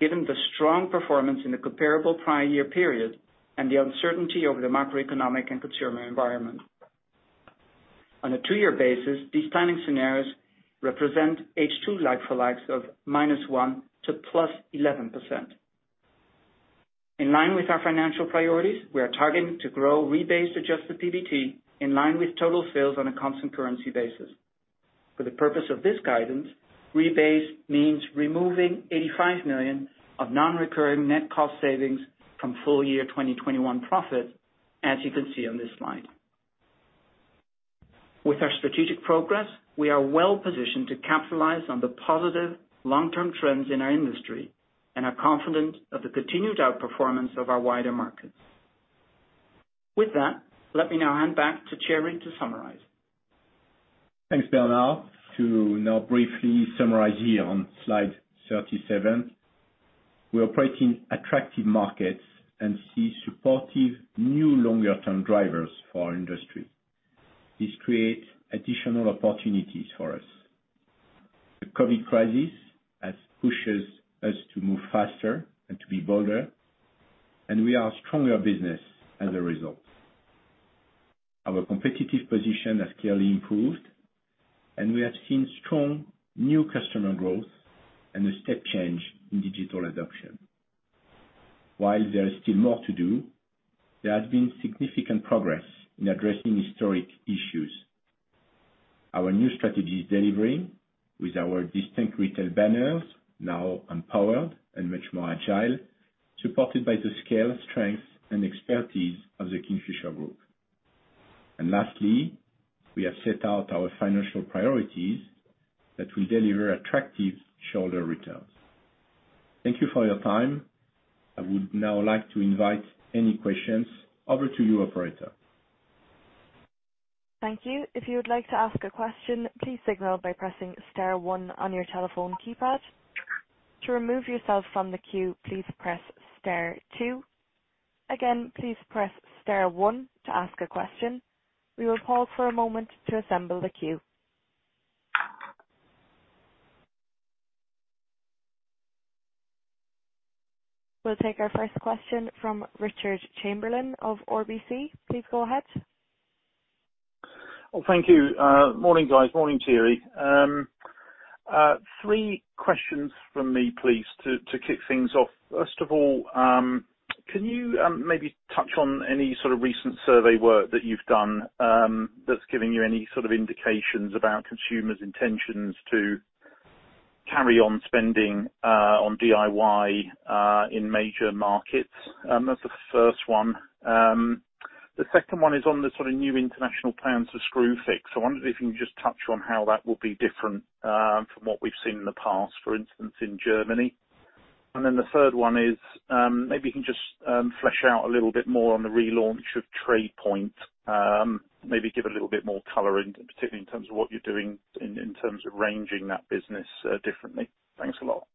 Speaker 3: given the strong performance in the comparable prior year period and the uncertainty over the macroeconomic and consumer environment. On a two-year basis, these planning scenarios represent H2 like-for-likes of -1% to +11%. In line with our financial priorities, we are targeting to grow rebased adjusted PBT in line with total sales on a constant currency basis. For the purpose of this guidance, rebased means removing 85 million of non-recurring net cost savings from full year 2021 profits, as you can see on this slide. With our strategic progress, we are well-positioned to capitalize on the positive long-term trends in our industry and are confident of the continued outperformance of our wider markets. With that, let me now hand back to Thierry to summarize.
Speaker 2: Thanks, Bernard. To now briefly summarize here on slide 37, we operate in attractive markets and see supportive new longer-term drivers for our industry. This creates additional opportunities for us. The COVID crisis has pushed us to move faster and to be bolder, and we are a stronger business as a result. Our competitive position has clearly improved, and we have seen strong new customer growth and a step change in digital adoption. While there is still more to do, there has been significant progress in addressing historic issues. Our new strategy is delivering with our distinct retail banners, now empowered and much more agile, supported by the scale, strength, and expertise of the Kingfisher Group. Lastly, we have set out our financial priorities that will deliver attractive shareholder returns. Thank you for your time. I would now like to invite any questions. Over to you, operator.
Speaker 1: Thank you. If you would like to ask your question please signal by pressing star one on your telephone keypad. To remove yourself from the queue please press star two. Again please press star one to ask your question. We will pause for a moment to assemble the queue. We'll take our first question from Richard Chamberlain of RBC. Please go ahead.
Speaker 4: Well, thank you. Morning, guys. Morning, Thierry. Three questions from me, please, to kick things off. First of all, can you maybe touch on any sort of recent survey work that you've done that's giving you any sort of indications about consumers' intentions to carry on spending on DIY in major markets? That's the first one. The second one is on the sort of new international plans for Screwfix. I wondered if you can just touch on how that will be different from what we've seen in the past, for instance, in Germany. Then the third one is, maybe you can just flesh out a little bit more on the relaunch of TradePoint. Maybe give a little bit more color, particularly in terms of what you're doing in terms of ranging that business differently. Thanks a lot.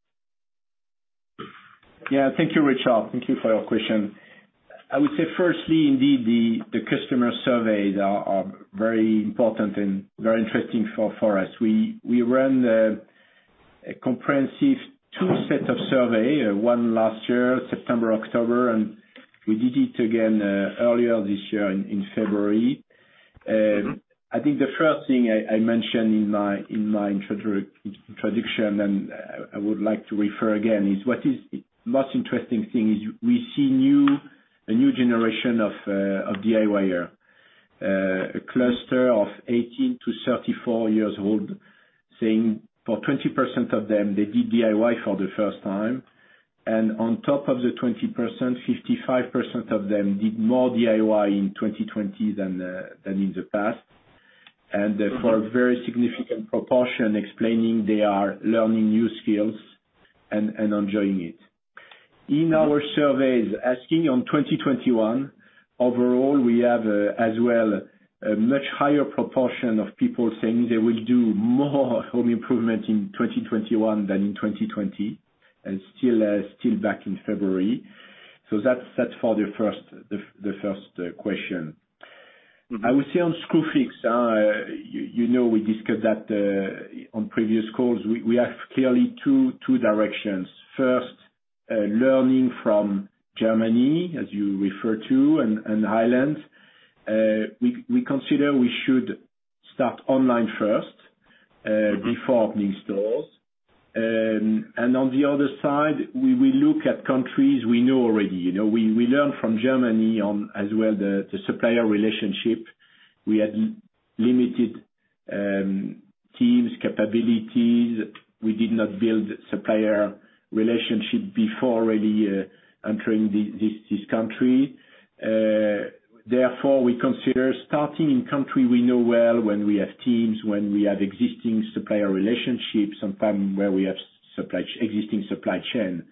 Speaker 2: Yeah. Thank you, Richard. Thank you for your question. I would say firstly, indeed, the customer surveys are very important and very interesting for us. We ran a comprehensive two set of survey, one last year, September, October. We did it again earlier this year in February. I think the first thing I mentioned in my introduction, and I would like to refer again, is what is the most interesting thing is we see a new generation of DIYer, a cluster of 18-34 years old, saying for 20% of them, they did DIY for the first time. On top of the 20%, 55% of them did more DIY in 2020 than in the past, for a very significant proportion explaining they are learning new skills and enjoying it. In our surveys, asking on 2021, overall, we have, as well, a much higher proportion of people saying they will do more home improvement in 2021 than in 2020, and still back in February. That's for the first question. I would say on Screwfix, you know we discussed that on previous calls. We have clearly two directions. First, learning from Germany, as you refer to, and Ireland. We consider we should start online first before opening stores. On the other side, we look at countries we know already. We learn from Germany on, as well, the supplier relationship. We had limited teams, capabilities. We did not build supplier relationship before really entering this country. Therefore, we consider starting in country we know well, when we have teams, when we have existing supplier relationships, sometimes where we have existing supply chain,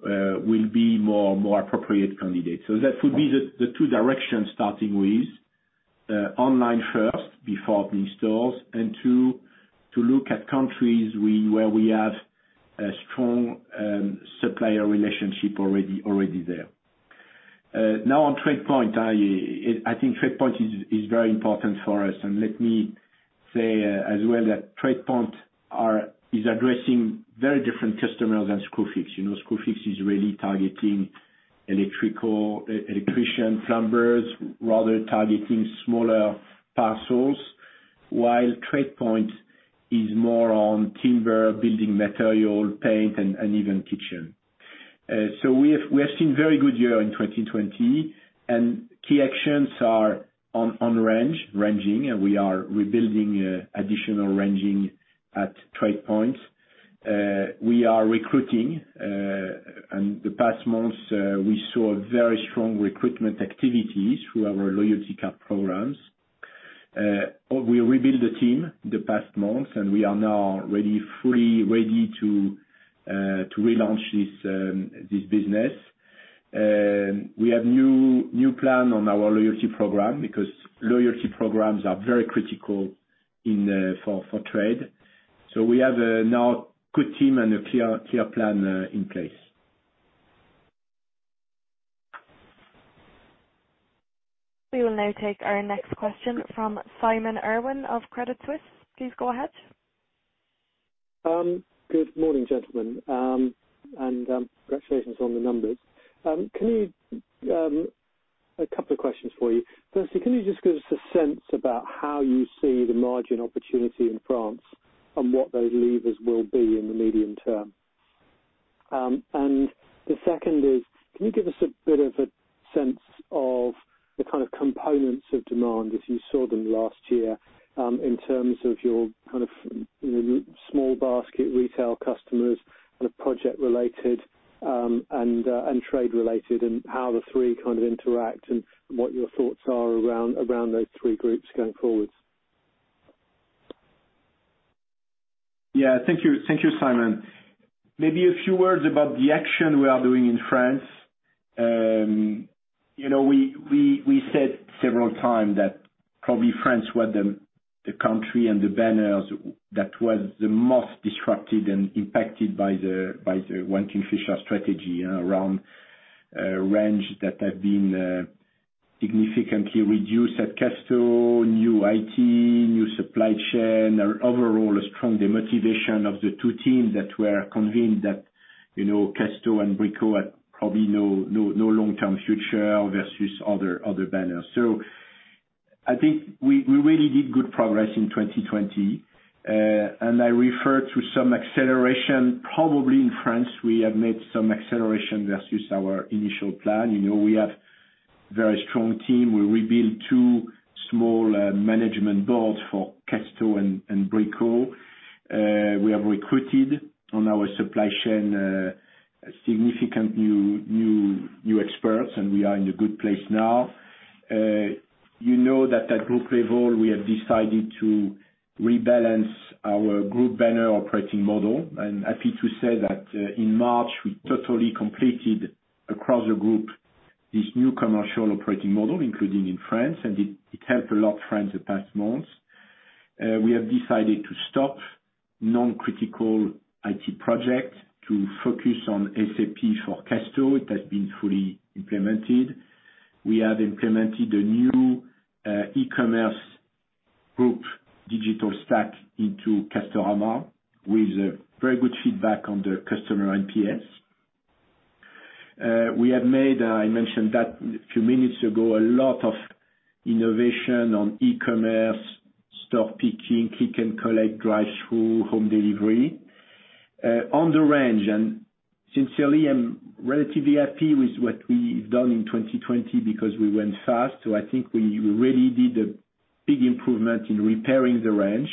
Speaker 2: will be more appropriate candidate. That would be the two directions, starting with online first before opening stores, and two, to look at countries where we have a strong supplier relationship already there. On TradePoint, I think TradePoint is very important for us. Let me say as well that TradePoint is addressing very different customers than Screwfix. Screwfix is really targeting electrical, electrician, plumbers, rather targeting smaller parcels, while TradePoint is more on timber, building material, paint, and even kitchen. We have seen very good year in 2020, and key actions are on range, ranging, and we are rebuilding additional ranging at TradePoint. We are recruiting, and the past months, we saw very strong recruitment activities through our loyalty card programs. We rebuild the team the past months, and we are now really fully ready to relaunch this business. We have new plan on our loyalty program because loyalty programs are very critical for trade. We have now good team and a clear plan in place.
Speaker 1: We will now take our next question from Simon Irwin of Credit Suisse. Please go ahead.
Speaker 5: Good morning, gentlemen. Congratulations on the numbers. A couple of questions for you. Firstly, can you just give us a sense about how you see the margin opportunity in France and what those levers will be in the medium term? The second is, can you give us a bit of a sense of the kind of components of demand as you saw them last year, in terms of your small basket retail customers, project-related, and trade-related, and how the three kind of interact and what your thoughts are around those three groups going forward?
Speaker 2: Thank you, Simon. Maybe a few words about the action we are doing in France. We said several times that probably France was the country and the banners that was the most disrupted and impacted by the Kingfisher strategy around range that have been significantly reduced at Casto, new IT, new supply chain, or overall a strong demotivation of the two teams that were convinced that Casto and Brico had probably no long-term future versus other banners. I think we really did good progress in 2020. I refer to some acceleration, probably in France, we have made some acceleration versus our initial plan. We have very strong teams. We rebuilt two small management boards for Casto and Brico. We have recruited on our supply chain, significant new experts, and we are in a good place now. You know that at group level, we have decided to rebalance our group banner operating model, and happy to say that in March, we totally completed across the group this new commercial operating model, including in France, and it helped a lot France the past months. We have decided to stop non-critical IT projects to focus on SAP for Casto. It has been fully implemented. We have implemented a new e-commerce group digital stack into Castorama with very good feedback on the customer NPS. We have made, I mentioned that a few minutes ago, a lot of innovation on e-commerce, store picking, click and collect, drive through, home delivery. On the range, and sincerely, I'm relatively happy with what we've done in 2020 because we went fast. I think we really did a big improvement in repairing the range.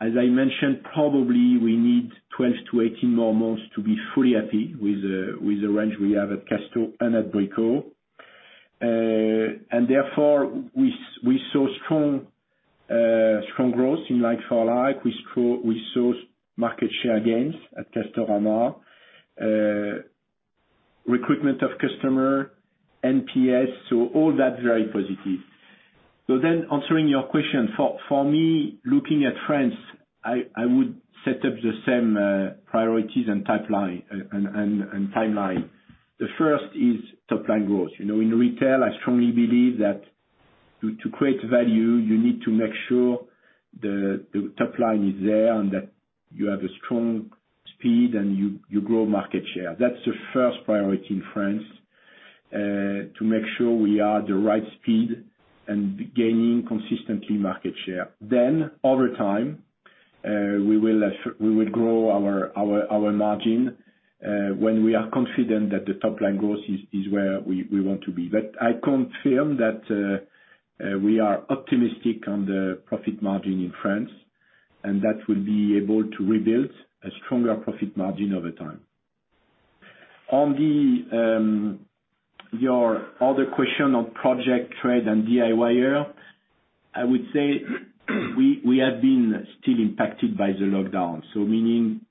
Speaker 2: As I mentioned, probably we need 12-18 more months to be fully happy with the range we have at Casto and at Brico. Therefore, we saw strong growth in like-for-like. We saw market share gains at Castorama. Recruitment of customer, NPS, so all that's very positive. Answering your question, for me, looking at France, I would set up the same priorities and timeline. The first is top-line growth. In retail, I strongly believe that to create value, you need to make sure the top line is there and that you have a strong speed and you grow market share. That's the first priority in France, to make sure we are at the right speed and gaining consistently market share. Over time, we will grow our margin when we are confident that the top-line growth is where we want to be. I confirm that we are optimistic on the profit margin in France, and that we'll be able to rebuild a stronger profit margin over time. On your other question on project trade and DIYer, I would say we have been still impacted by the lockdown. Meaning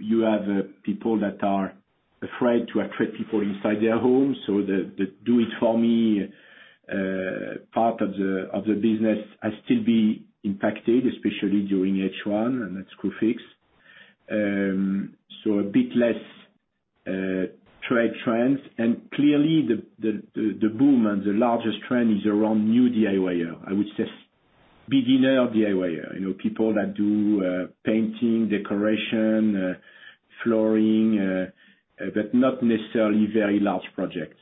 Speaker 2: you have people that are afraid to attract people inside their homes, so the do it for me part of the business has still been impacted, especially during H1 and at Screwfix. A bit less trade trends and clearly the boom and the largest trend is around new DIYer. I would say beginner DIYer. People that do painting, decoration, flooring, but not necessarily very large projects.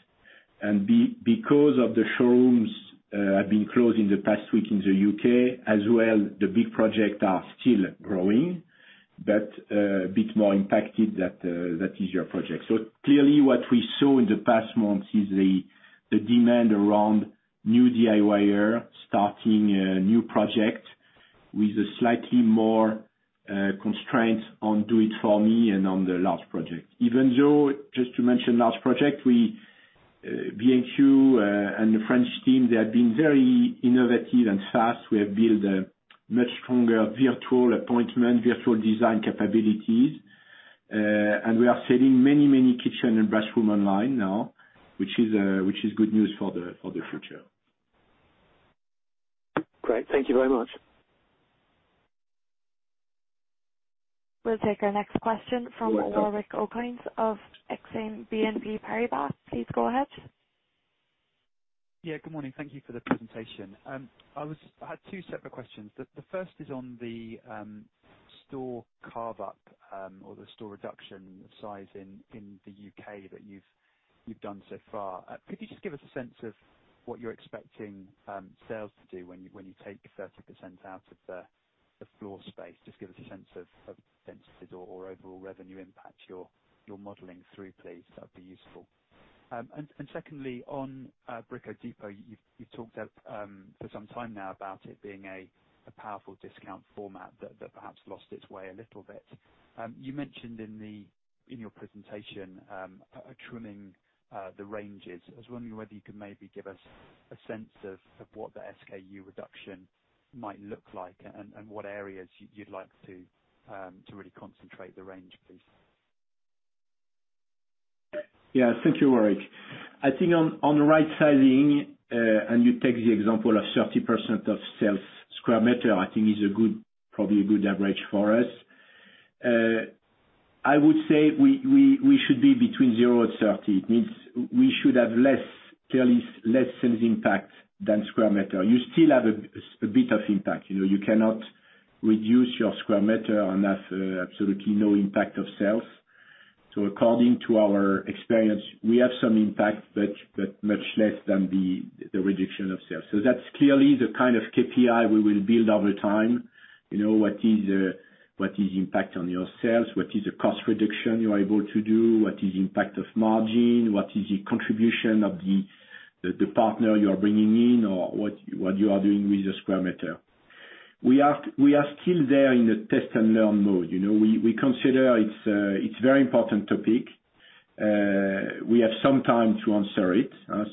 Speaker 2: Because of the showrooms have been closed in the past week in the U.K. as well, the big projects are still growing, but a bit more impacted that easier projects. Clearly what we saw in the past months is the demand around new DIYer starting a new project with a slightly more constraint on do it for me and on the large project. Even though, just to mention large project, we, B&Q and the French team, they have been very innovative and fast. We have built a much stronger virtual appointment, virtual design capabilities. We are selling many kitchen and bathroom online now, which is good news for the future.
Speaker 5: Great. Thank you very much.
Speaker 1: We'll take our next question from Warwick Okines of Exane BNP Paribas. Please go ahead.
Speaker 6: Yeah, good morning. Thank you for the presentation. I had two separate questions. The first is on the store carve-up, or the store reduction size in the U.K. that you've done so far. Could you just give us a sense of what you're expecting sales to do when you take 30% out of the floor space? Just give us a sense of density or overall revenue impact you're modeling through, please. That'd be useful. Secondly, on Brico Dépôt, you've talked for some time now about it being a powerful discount format that perhaps lost its way a little bit. You mentioned in your presentation, trimming the ranges. I was wondering whether you could maybe give us a sense of what the SKU reduction might look like and what areas you'd like to really concentrate the range, please.
Speaker 2: Thank you, Warwick. I think on the right sizing, you take the example of 30% of sales square meter, I think is probably a good average for us. I would say we should be between 0 and 30. It means we should have clearly less sales impact than square meter. You still have a bit of impact. You cannot reduce your square meter and have absolutely no impact of sales. According to our experience, we have some impact, but much less than the reduction of sales. That's clearly the kind of KPI we will build over time. What is impact on your sales? What is the cost reduction you are able to do? What is impact of margin? What is the contribution of the partner you are bringing in or what you are doing with the square meter? We are still there in the test and learn mode. We consider it's very important topic. We have some time to answer it.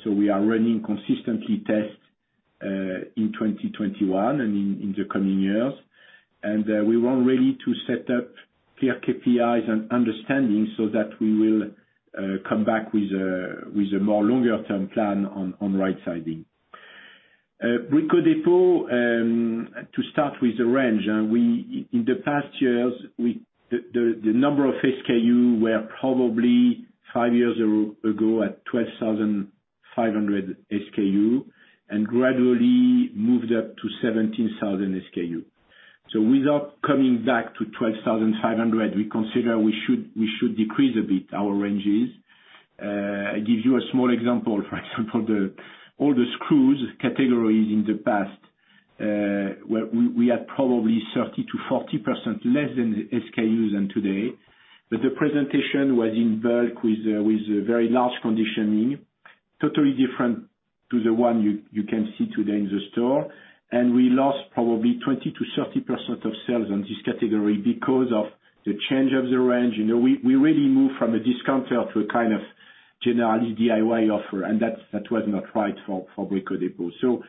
Speaker 2: We are running consistently tests in 2021 and in the coming years. We were ready to set up clear KPIs and understanding so that we will come back with a more longer-term plan on right-siding. Brico Dépôt, to start with the range. In the past years, the number of SKU were probably five years ago at 12,500 SKU, and gradually moved up to 17,000 SKU. Without coming back to 12,500, we consider we should decrease a bit our ranges. I give you a small example. For the older screws categories in the past, we had probably 30%-40% less in the SKUs than today. The presentation was in bulk with a very large conditioning, totally different to the one you can see today in the store. We lost probably 20%-30% of sales on this category because of the change of the range. We really moved from a discounter to a kind of generalist DIY offer. That was not right for Brico Dépôt.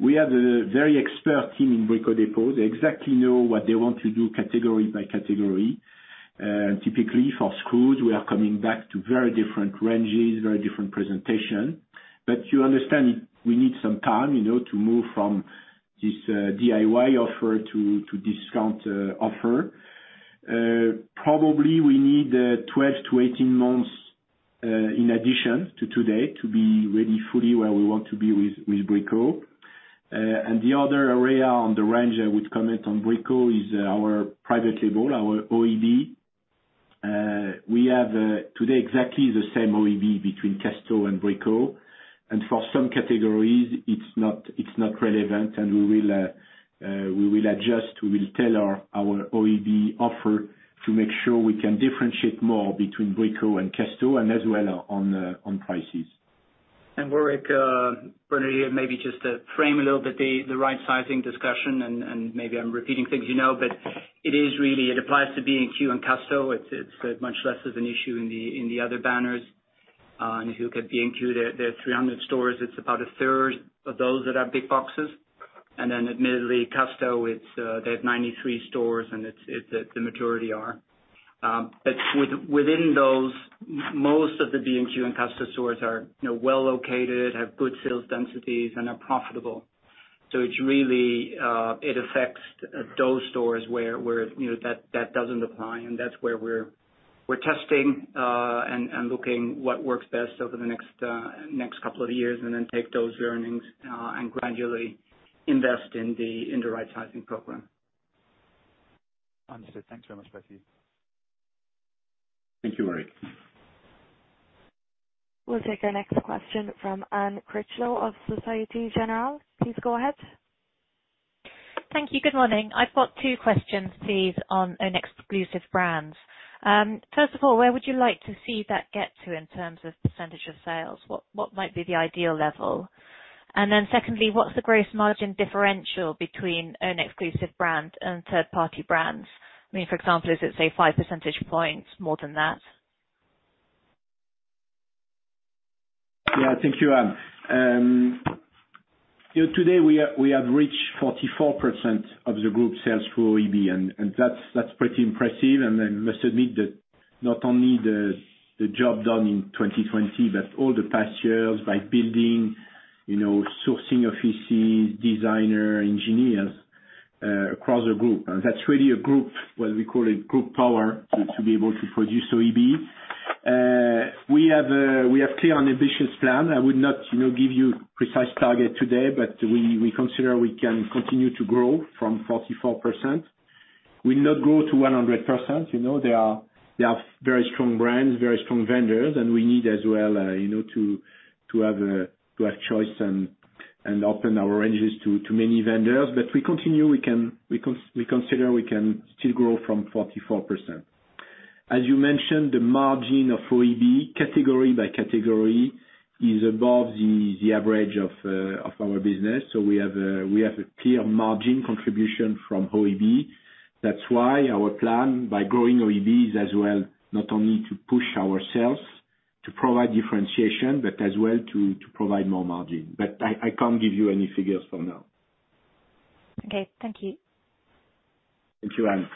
Speaker 2: We have a very expert team in Brico Dépôt. They exactly know what they want to do category by category. Typically, for screws, we are coming back to very different ranges, very different presentation. You understand, we need some time to move from this DIY offer to discount offer. Probably we need 12-18 months, in addition to today, to be really fully where we want to be with Brico. The other area on the range I would comment on Brico is our private label, our OEB. We have, today, exactly the same OEB between Casto and Brico. For some categories, it's not relevant and we will adjust, we will tailor our OEB offer to make sure we can differentiate more between Brico and Casto and as well on prices.
Speaker 3: Warwick, Bernard here, maybe just to frame a little bit the right-sizing discussion, and maybe I am repeating things you know, but it applies to B&Q and Casto. It is much less of an issue in the other banners. If you look at B&Q, they have 300 stores. It is about a third of those that are big boxes. Then admittedly, Casto, they have 93 stores, and the majority are. Within those, most of the B&Q and Casto stores are well-located, have good sales densities, and are profitable. It affects those stores where that does not apply, and that is where we are testing and looking what works best over the next couple of years and then take those learnings and gradually invest in the right-sizing program.
Speaker 6: Understood. Thanks very much, both of you.
Speaker 2: Thank you, Warwick.
Speaker 1: We'll take our next question from Anne Critchlow of Societe Generale. Please go ahead.
Speaker 7: Thank you. Good morning. I've got two questions, please on Own Exclusive Brands. First of all, where would you like to see that get to in terms of percentage of sales? What might be the ideal level? Then secondly, what's the gross margin differential between Own Exclusive Brand and third-party brands? For example, is it, say, five percentage points more than that?
Speaker 2: Yeah. Thank you, Anne. Today, we have reached 44% of the group sales through OEB, and that's pretty impressive. I must admit that not only the job done in 2020, but all the past years by building sourcing offices, designer, engineers, across the group. That's really a group, what we call a group power to be able to produce OEB. We have clear and ambitious plan. I would not give you precise target today, but we consider we can continue to grow from 44%. We'll not grow to 100%. There are very strong brands, very strong vendors, and we need as well to have choice and open our ranges to many vendors. We consider we can still grow from 44%. As you mentioned, the margin of OEB, category by category, is above the average of our business. We have a clear margin contribution from OEB. That's why our plan by growing OEB is as well, not only to push our sales to provide differentiation, but as well to provide more margin. I can't give you any figures for now.
Speaker 7: Okay. Thank you.
Speaker 2: Thank you, Anne.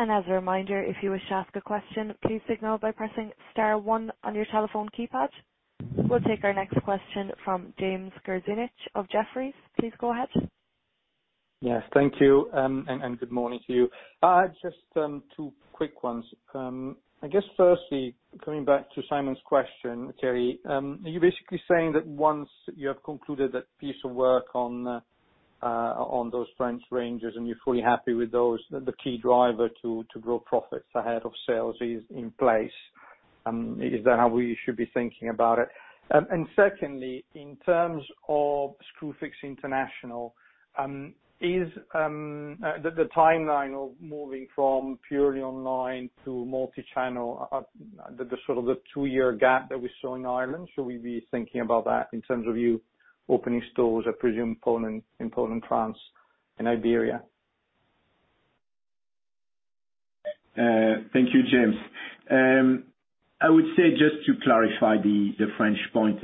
Speaker 1: As a reminder, if you wish to ask a question, please signal by pressing star one on your telephone keypad. We'll take our next question from James Grzinic of Jefferies. Please go ahead.
Speaker 8: Yes. Thank you. Good morning to you. Just two quick ones. Firstly, coming back to Simon's question, Thierry, are you basically saying that once you have concluded that piece of work on those French ranges and you're fully happy with those, the key driver to grow profits ahead of sales is in place? Is that how we should be thinking about it? Secondly, in terms of Screwfix International, the timeline of moving from purely online to multi-channel, the sort of the two-year gap that we saw in Ireland, should we be thinking about that in terms of you opening stores, I presume, in Poland, France, and Iberia?
Speaker 2: Thank you, James. I would say just to clarify the French point,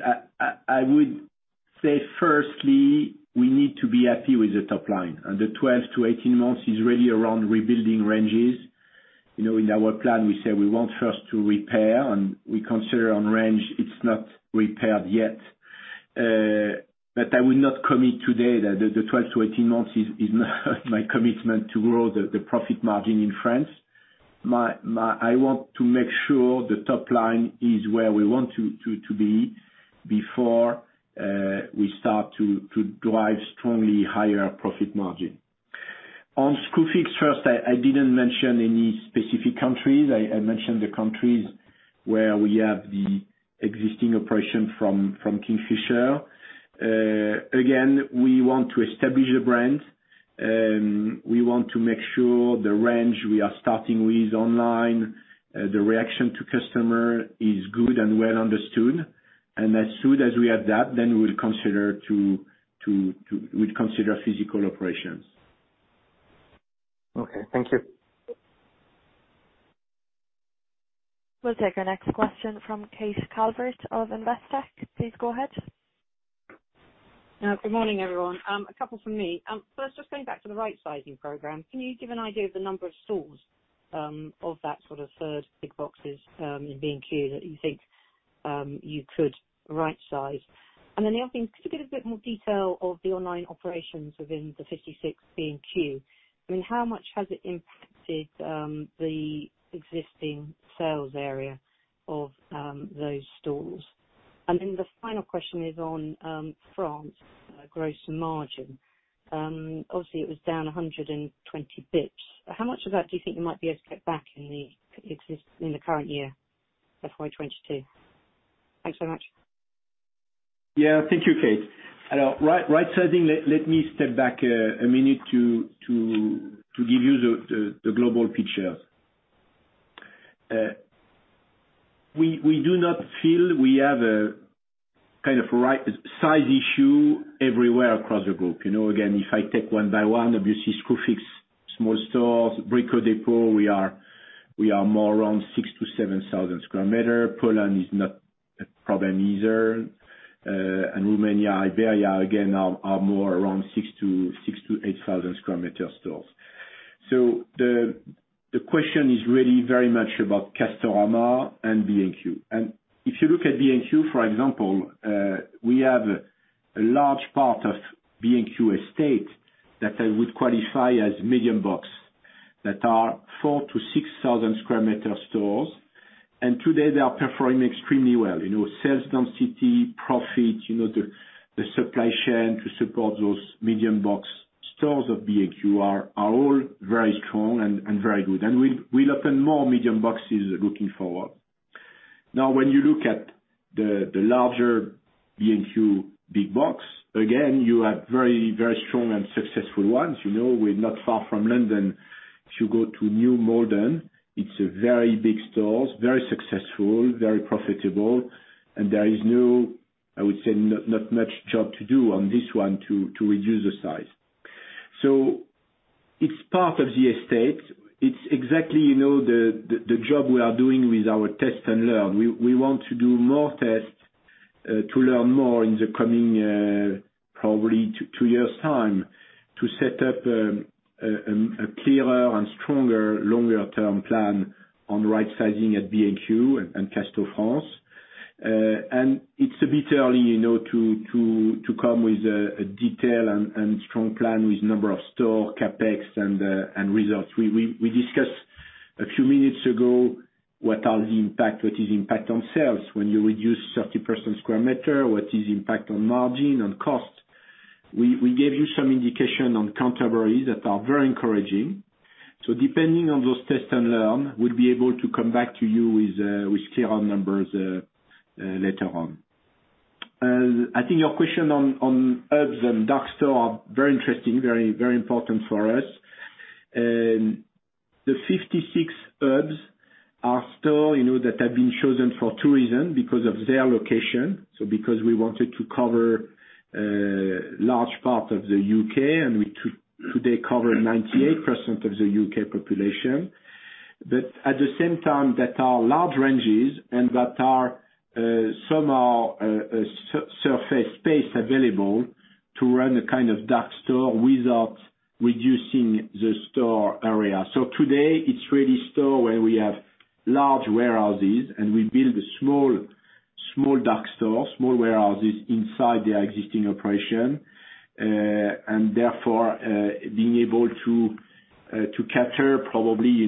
Speaker 2: I would say firstly, we need to be happy with the top line, and the 12-18 months is really around rebuilding ranges. In our plan, we say we want first to repair, and we consider on range it's not repaired yet. I will not commit today that the 12 to 18 months is not my commitment to grow the profit margin in France. I want to make sure the top line is where we want to be before we start to drive strongly higher profit margin. On Screwfix first, I didn't mention any specific countries. I mentioned the countries where we have the existing operation from Kingfisher. Again, we want to establish a brand. We want to make sure the range we are starting with online, the reaction to customer, is good and well understood. As soon as we have that, then we'll consider physical operations.
Speaker 8: Okay. Thank you.
Speaker 1: We'll take our next question from Kate Calvert of Investec. Please go ahead.
Speaker 9: Good morning, everyone. A couple from me. Just going back to the rightsizing program, can you give an idea of the number of stores, of that sort of third big boxes, in B&Q that you think you could right-size? The other thing, could you give a bit more detail of the online operations within the 56 B&Q? How much has it impacted the existing sales area of those stores? The final question is on France gross margin. Obviously, it was down 120 bps. How much of that do you think you might be able to get back in the current year, FY 2022? Thanks so much.
Speaker 2: Thank you, Kate. Right-sizing, let me step back a minute to give you the global picture. We do not feel we have a kind of size issue everywhere across the group. If I take one by one, obviously Screwfix small stores, Brico Dépôt, we are more around 6,000-7,000 sq m. Poland is not a problem either. Romania, Iberia, again, are more around 6,000-8,000 sq m stores. The question is really very much about Castorama and B&Q. If you look at B&Q, for example, we have a large part of B&Q estate that I would qualify as medium box, that are 4,000-6,000 sq m stores. Today they are performing extremely well. Sales density, profit, the supply chain to support those medium box stores of B&Q are all very strong and very good. We'll open more medium boxes looking forward. Now when you look at the larger B&Q big box, again, you have very strong and successful ones. We're not far from London. If you go to New Malden, it's a very big store, very successful, very profitable, and there is, I would say, not much job to do on this one to reduce the size. It's part of the estate. It's exactly the job we are doing with our test and learn. We want to do more tests to learn more in the coming, probably two years' time, to set up a clearer and stronger longer-term plan on rightsizing at B&Q and Casto France. It's a bit early to come with a detail and strong plan with number of store CapEx and results. We discussed a few minutes ago what is impact on sales when you reduce 30% square meter, what is impact on margin, on cost. We gave you some indication on Canterbury that are very encouraging. Depending on those test and learn, we'll be able to come back to you with clearer numbers later on. I think your question on hubs and dark store are very interesting, very important for us. The 56 hubs are store that have been chosen for two reason. Because of their location, so because we wanted to cover large part of the U.K. and we today cover 98% of the U.K. population. At the same time, that are large ranges and that are somehow surface space available to run a kind of dark store without reducing the store area. Today, it's really store where we have large warehouses and we build a small dark store, small warehouses inside their existing operation. Therefore, being able to capture probably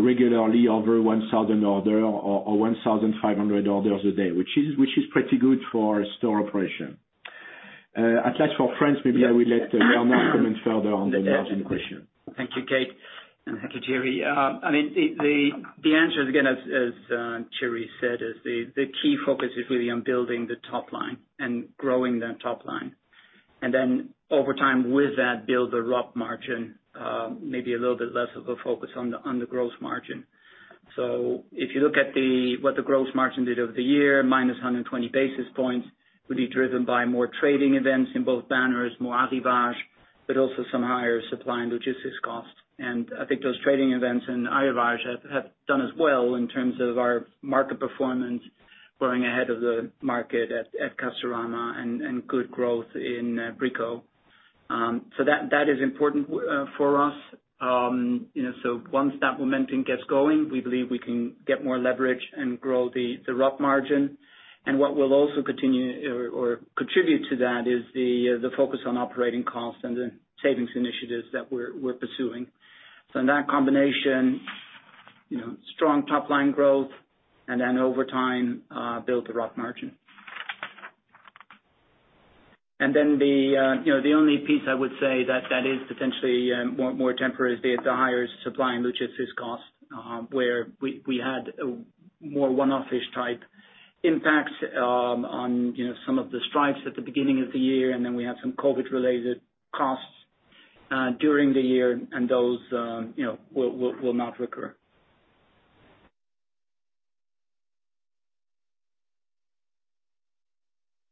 Speaker 2: regularly over 1,000 order or 1,500 orders a day, which is pretty good for store operation. As such for France, maybe I will let Bernard comment further on the margin question.
Speaker 3: Thank you, Kate, and thank you, Thierry. The answer is, again, as Thierry said, is the key focus is really on building the top line and growing that top line. Over time with that, build the gross margin, maybe a little bit less of a focus on the gross margin. If you look at what the gross margin did over the year, minus 120 basis points would be driven by more trading events in both banners, more arrivage, but also some higher supply and logistics costs. I think those trading events and arrivage have done us well in terms of our market performance growing ahead of the market at Castorama and good growth in Brico. That is important for us. Once that momentum gets going, we believe we can get more leverage and grow the gross margin. What will also contribute to that is the focus on operating costs and the savings initiatives that we're pursuing. In that combination, strong top-line growth, and then over time, build the gross margin. The only piece I would say that is potentially more temporary is the higher supply and logistics cost, where we had a more one-offish type impact on some of the strikes at the beginning of the year, and then we had some COVID-related costs during the year, and those will not recur.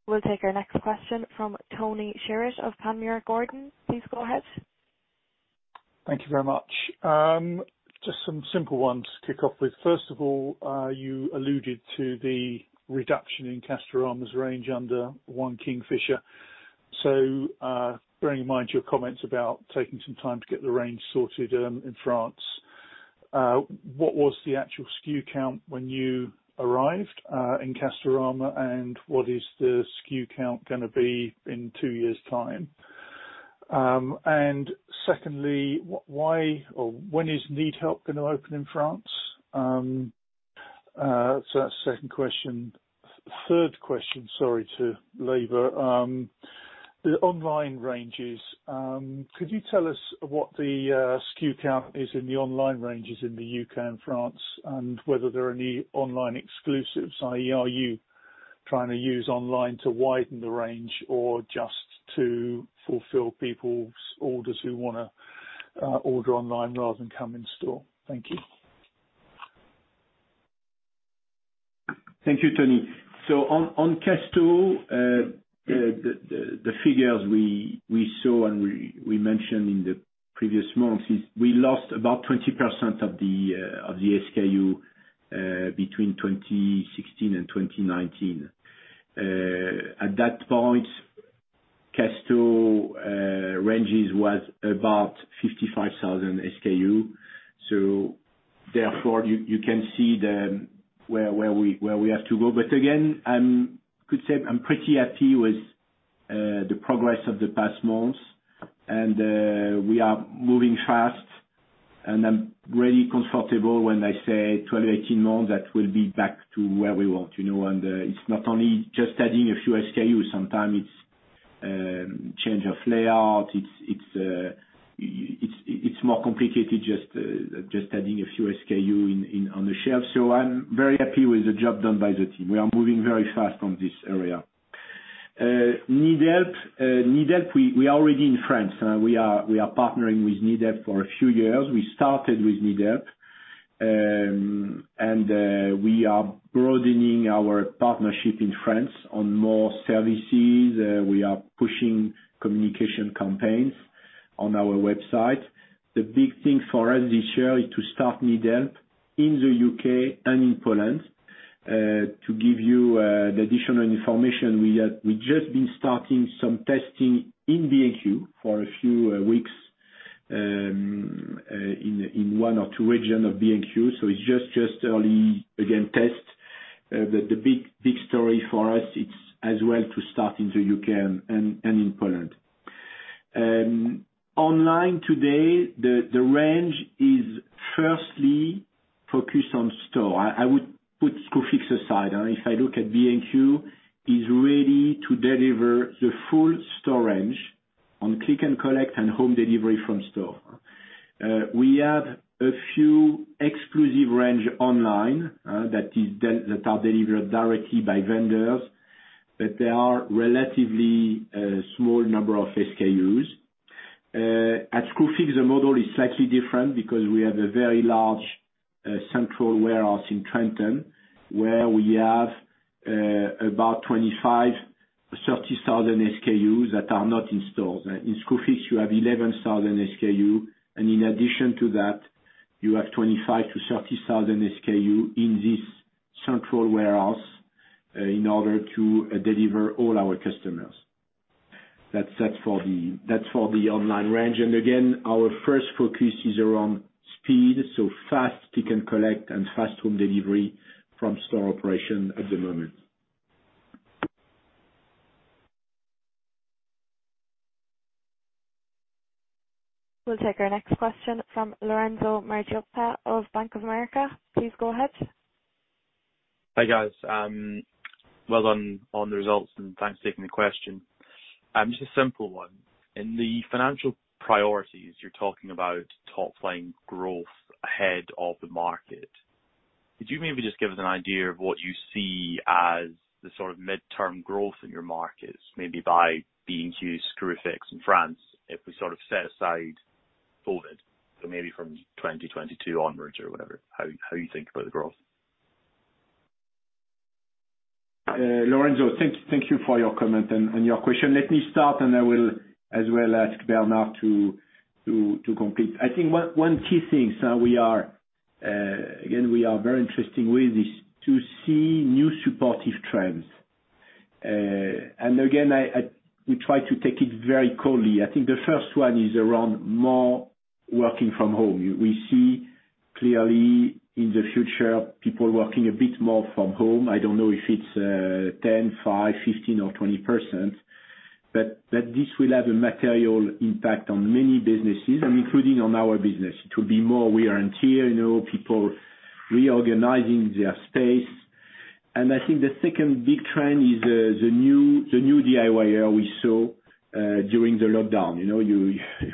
Speaker 1: We'll take our next question from Tony Shiret of Panmure Gordon. Please go ahead.
Speaker 10: Thank you very much. Some simple ones to kick off with. You alluded to the reduction in Castorama's range under One Kingfisher. Bearing in mind your comments about taking some time to get the range sorted in France, what was the actual SKU count when you arrived in Castorama, and what is the SKU count going to be in two years' time? Secondly, when is NeedHelp going to open in France? That's the second question. Third question, sorry to labor. The online ranges, could you tell us what the SKU count is in the online ranges in the U.K. and France, and whether there are any online exclusives, i.e., are you trying to use online to widen the range or just to fulfill people's orders who want to order online rather than come in store?
Speaker 2: Thank you, Tony. On Casto, the figures we saw and we mentioned in the previous months is we lost about 20% of the SKU between 2016 and 2019. At that point, Casto ranges was about 55,000 SKU. Therefore, you can see where we have to go. Again, I could say I'm pretty happy with the progress of the past months, and we are moving fast, and I'm really comfortable when I say 12-18 months that we'll be back to where we want. It's not only just adding a few SKU. Sometimes it's change of layout. It's more complicated, just adding a few SKU on the shelf. I'm very happy with the job done by the team. We are moving very fast on this area. NeedHelp, we are already in France. We are partnering with NeedHelp for a few years. We started with Needhelp, and we are broadening our partnership in France on more services. We are pushing communication campaigns on our website. The big thing for us this year is to start Needhelp in the U.K. and in Poland. To give you the additional information, we've just been starting some testing in B&Q for a few weeks in one or two region of B&Q, so it's just early, again, tests. The big story for us, it's as well to start in the U.K. and in Poland. Online today, the range is firstly focused on store. I would put Screwfix aside. If I look at B&Q, is ready to deliver the full range on click and collect and home delivery from store. We have a few exclusive range online, that are delivered directly by vendors, but they are relatively a small number of SKUs. At Screwfix, the model is slightly different because we have a very large central warehouse in Trentham where we have about 25,000-30,000 SKUs that are not in stores. In Screwfix, you have 11,000 SKU, and in addition to that, you have 25,000-30,000 SKU in this central warehouse in order to deliver all our customers. That's for the online range. Again, our first focus is around speed, so fast click and collect and fast home delivery from store operation at the moment.
Speaker 1: We'll take our next question from Lorenzo Margiotta of Bank of America. Please go ahead.
Speaker 11: Hi, guys. On the results, thanks for taking the question. Just a simple one. In the financial priorities, you're talking about top-line growth ahead of the market. Could you maybe just give us an idea of what you see as the sort of midterm growth in your markets, maybe by B&Q, Screwfix, and France, if we sort of set aside COVID, so maybe from 2022 onwards or whatever, how you think about the growth?
Speaker 2: Lorenzo, thank you for your comment and your question. Let me start, I will as well ask Bernard to complete. I think one key thing, again, we are very interesting with is to see new supportive trends. Again, we try to take it very coldly. I think the first one is around more working from home. We see clearly in the future people working a bit more from home. I don't know if it's 10%, 5%, 15%, or 20%, but that this will have a material impact on many businesses and including on our business. It will be more we are interior, people reorganizing their space. I think the second big trend is the new DIYer we saw during the lockdown.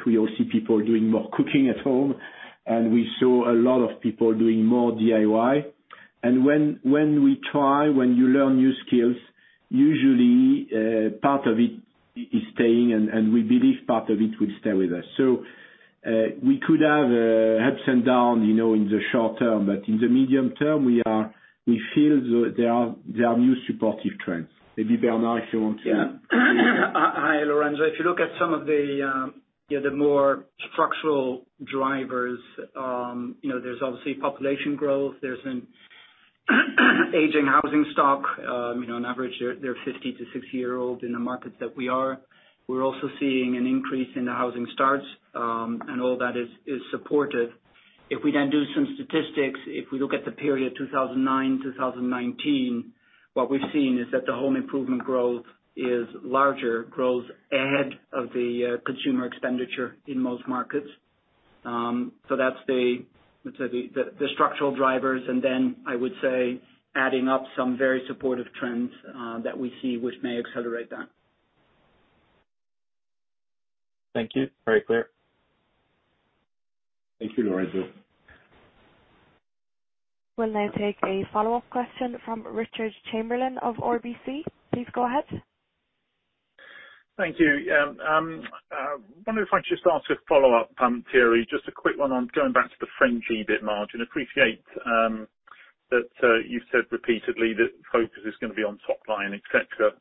Speaker 2: We all see people doing more cooking at home, and we saw a lot of people doing more DIY. When you learn new skills, usually, part of it is staying, and we believe part of it will stay with us. We could have ups and downs in the short term, but in the medium term, we feel there are new supportive trends. Maybe Bernard, if you want to.
Speaker 3: Yeah. Hi, Lorenzo. If you look at some of the more structural drivers, there's obviously population growth. There's an aging housing stock. On average, they're 50-60 years old in the markets that we are. We're also seeing an increase in the housing starts, and all that is supportive. If we do some statistics, if we look at the period 2009, 2019, what we've seen is that the home improvement growth is larger, grows ahead of the consumer expenditure in most markets. That's the structural drivers, and then I would say adding up some very supportive trends that we see which may accelerate that.
Speaker 11: Thank you. Very clear.
Speaker 2: Thank you, Lorenzo.
Speaker 1: We'll now take a follow-up question from Richard Chamberlain of RBC. Please go ahead.
Speaker 4: Thank you. Wondering if I could just ask a follow-up, Thierry, just a quick one on going back to the French EBIT margin. Appreciate that you've said repeatedly that focus is going to be on top line, et cetera,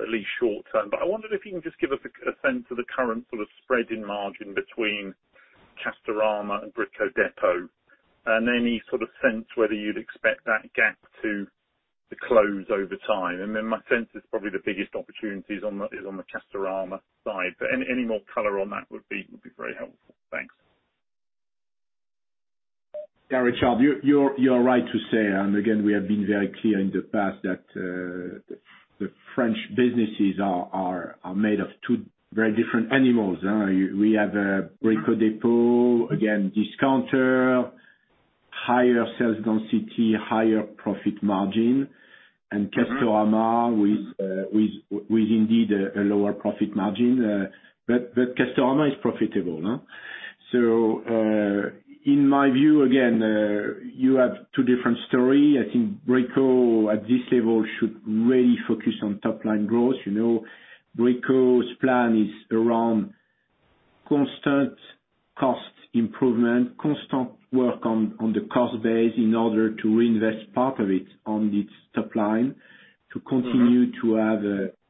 Speaker 4: at least short term. I wondered if you can just give us a sense of the current sort of spread in margin between Castorama and Brico Dépôt and any sort of sense whether you'd expect that gap to close over time. My sense is probably the biggest opportunity is on the Castorama side. Any more color on that would be very helpful. Thanks.
Speaker 2: Yeah, Richard, you're right to say, and again, we have been very clear in the past that the French businesses are made of two very different animals. We have a Brico Dépôt, again, discounter, higher sales density, higher profit margin, and Castorama with indeed a lower profit margin. Castorama is profitable. In my view, again, you have two different story. I think Brico at this level should really focus on top-line growth. Brico's plan is around constant cost improvement, constant work on the cost base in order to reinvest part of it on its top line to continue to have,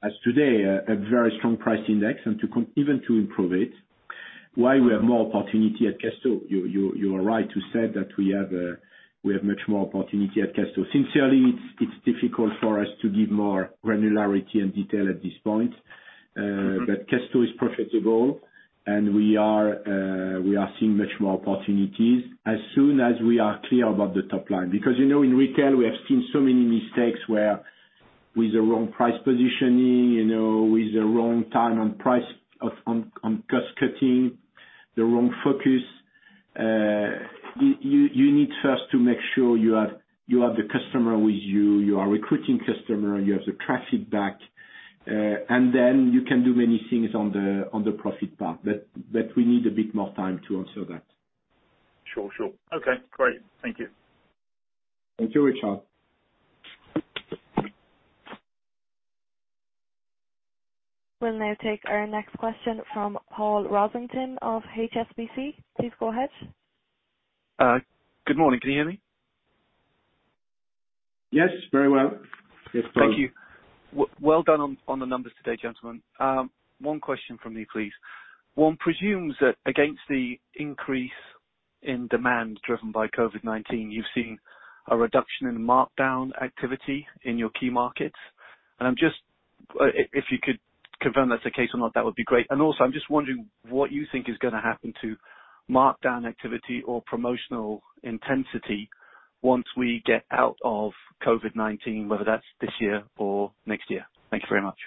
Speaker 2: as today, a very strong price index and even to improve it. Why we have more opportunity at Casto? You are right to say that we have much more opportunity at Casto. Sincerely, it's difficult for us to give more granularity and detail at this point. Casto is profitable, and we are seeing much more opportunities as soon as we are clear about the top line. In retail, we have seen so many mistakes where with the wrong price positioning, with the wrong time on price, on cost cutting, the wrong focus, you need first to make sure you have the customer with you are recruiting customer, you have the traffic back, and then you can do many things on the profit part. We need a bit more time to answer that.
Speaker 4: Sure. Okay, great. Thank you.
Speaker 2: Thank you, Richard.
Speaker 1: We'll now take our next question from Paul Rossington of HSBC. Please go ahead.
Speaker 12: Good morning. Can you hear me?
Speaker 2: Yes, very well. Yes, Paul.
Speaker 12: Thank you. Well done on the numbers today, gentlemen. One question from me, please. One presumes that against the increase in demand driven by COVID-19, you've seen a reduction in markdown activity in your key markets. If you could confirm that's the case or not, that would be great. Also, I'm just wondering what you think is going to happen to markdown activity or promotional intensity once we get out of COVID-19, whether that's this year or next year. Thank you very much.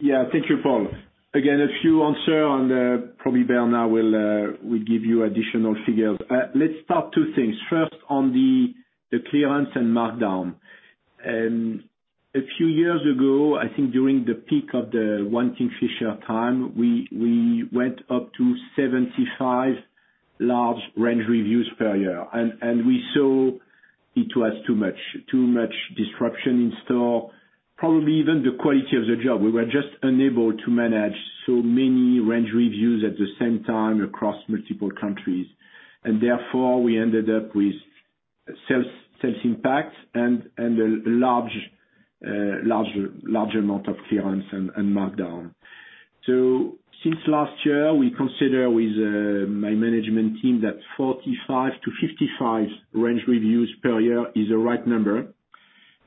Speaker 2: Yeah. Thank you, Paul. Again, a few answer on, probably Bernard will give you additional figures. Let's start two things. First, on the clearance and markdown. A few years ago, I think during the peak of the One Kingfisher time, we went up to 75 large range reviews per year, and we saw it was too much. Too much disruption in store, probably even the quality of the job. We were just unable to manage so many range reviews at the same time across multiple countries. Therefore, we ended up with sales impact and a large amount of clearance and markdown. Since last year, we consider with my management team that 45 to 55 range reviews per year is the right number.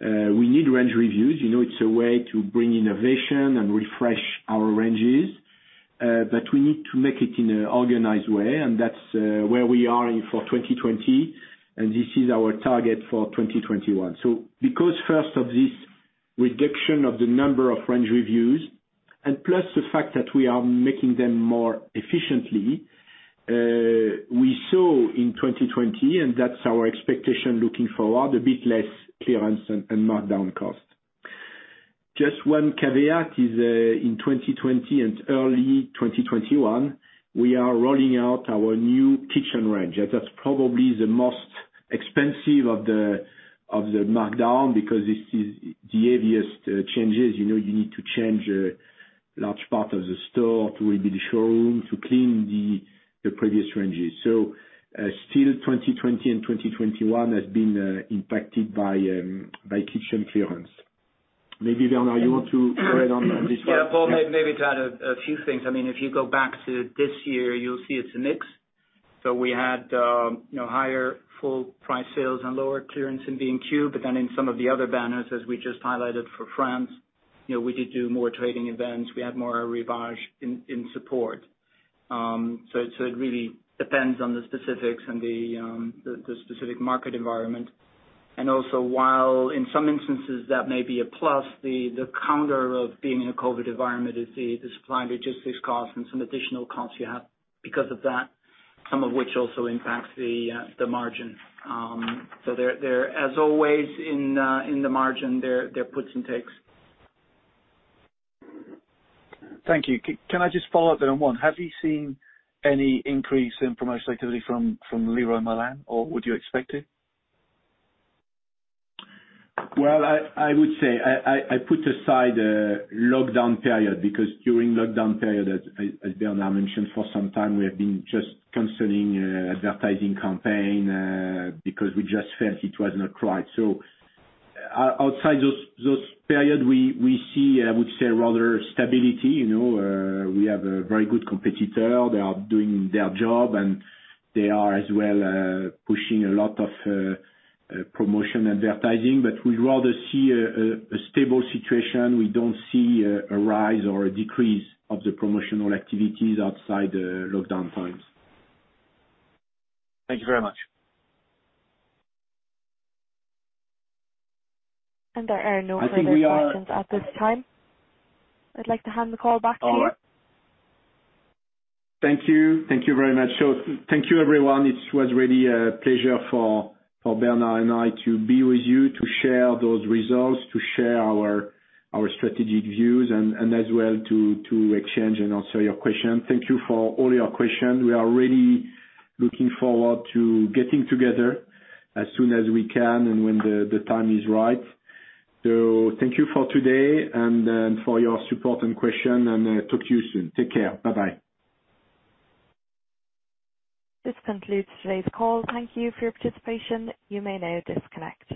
Speaker 2: We need range reviews. It's a way to bring innovation and refresh our ranges. We need to make it in an organized way, and that's where we are in for 2020, and this is our target for 2021. Because first of this reduction of the number of range reviews, and plus the fact that we are making them more efficiently, we saw in 2020, and that's our expectation looking forward, a bit less clearance and markdown cost. Just one caveat is, in 2020 and early 2021, we are rolling out our new kitchen range. That's probably the most expensive of the markdown, because this is the heaviest changes. You need to change a large part of the store to rebuild the showroom to clean the previous ranges. Still 2020 and 2021 has been impacted by kitchen clearance. Maybe, Bernard, you want to carry on on this one?
Speaker 3: Yeah, Paul, maybe to add a few things. If you go back to this year, you will see it is a mix. We had higher full price sales and lower clearance in B&Q. In some of the other banners, as we just highlighted for France, we did do more trading events. We had more arrivage in support. It really depends on the specifics and the specific market environment. Also while in some instances that may be a plus, the counter of being in a COVID environment is the supply logistics cost and some additional costs you have because of that, some of which also impacts the margin. As always in the margin, there are puts and takes.
Speaker 12: Thank you. Can I just follow up there on one? Have you seen any increase in promotional activity from Leroy Merlin, or would you expect it?
Speaker 2: Well, I would say, I put aside lockdown period, because during lockdown period, as Bernard mentioned, for some time, we have been just concerning advertising campaign, because we just felt it was not right. Outside those period, we see, I would say, rather stability. We have a very good competitor. They are doing their job, and they are as well pushing a lot of promotion advertising. We'd rather see a stable situation. We don't see a rise or a decrease of the promotional activities outside the lockdown times.
Speaker 12: Thank you very much.
Speaker 1: There are no further questions at this time. I'd like to hand the call back to you.
Speaker 2: Thank you. Thank you very much. Thank you, everyone. It was really a pleasure for Bernard and I to be with you, to share those results, to share our strategic views, and as well to exchange and answer your question. Thank you for all your questions. We are really looking forward to getting together as soon as we can and when the time is right. Thank you for today and for your support and question, and talk to you soon. Take care. Bye-bye.
Speaker 1: This concludes today's call. Thank you for your participation. You may now disconnect.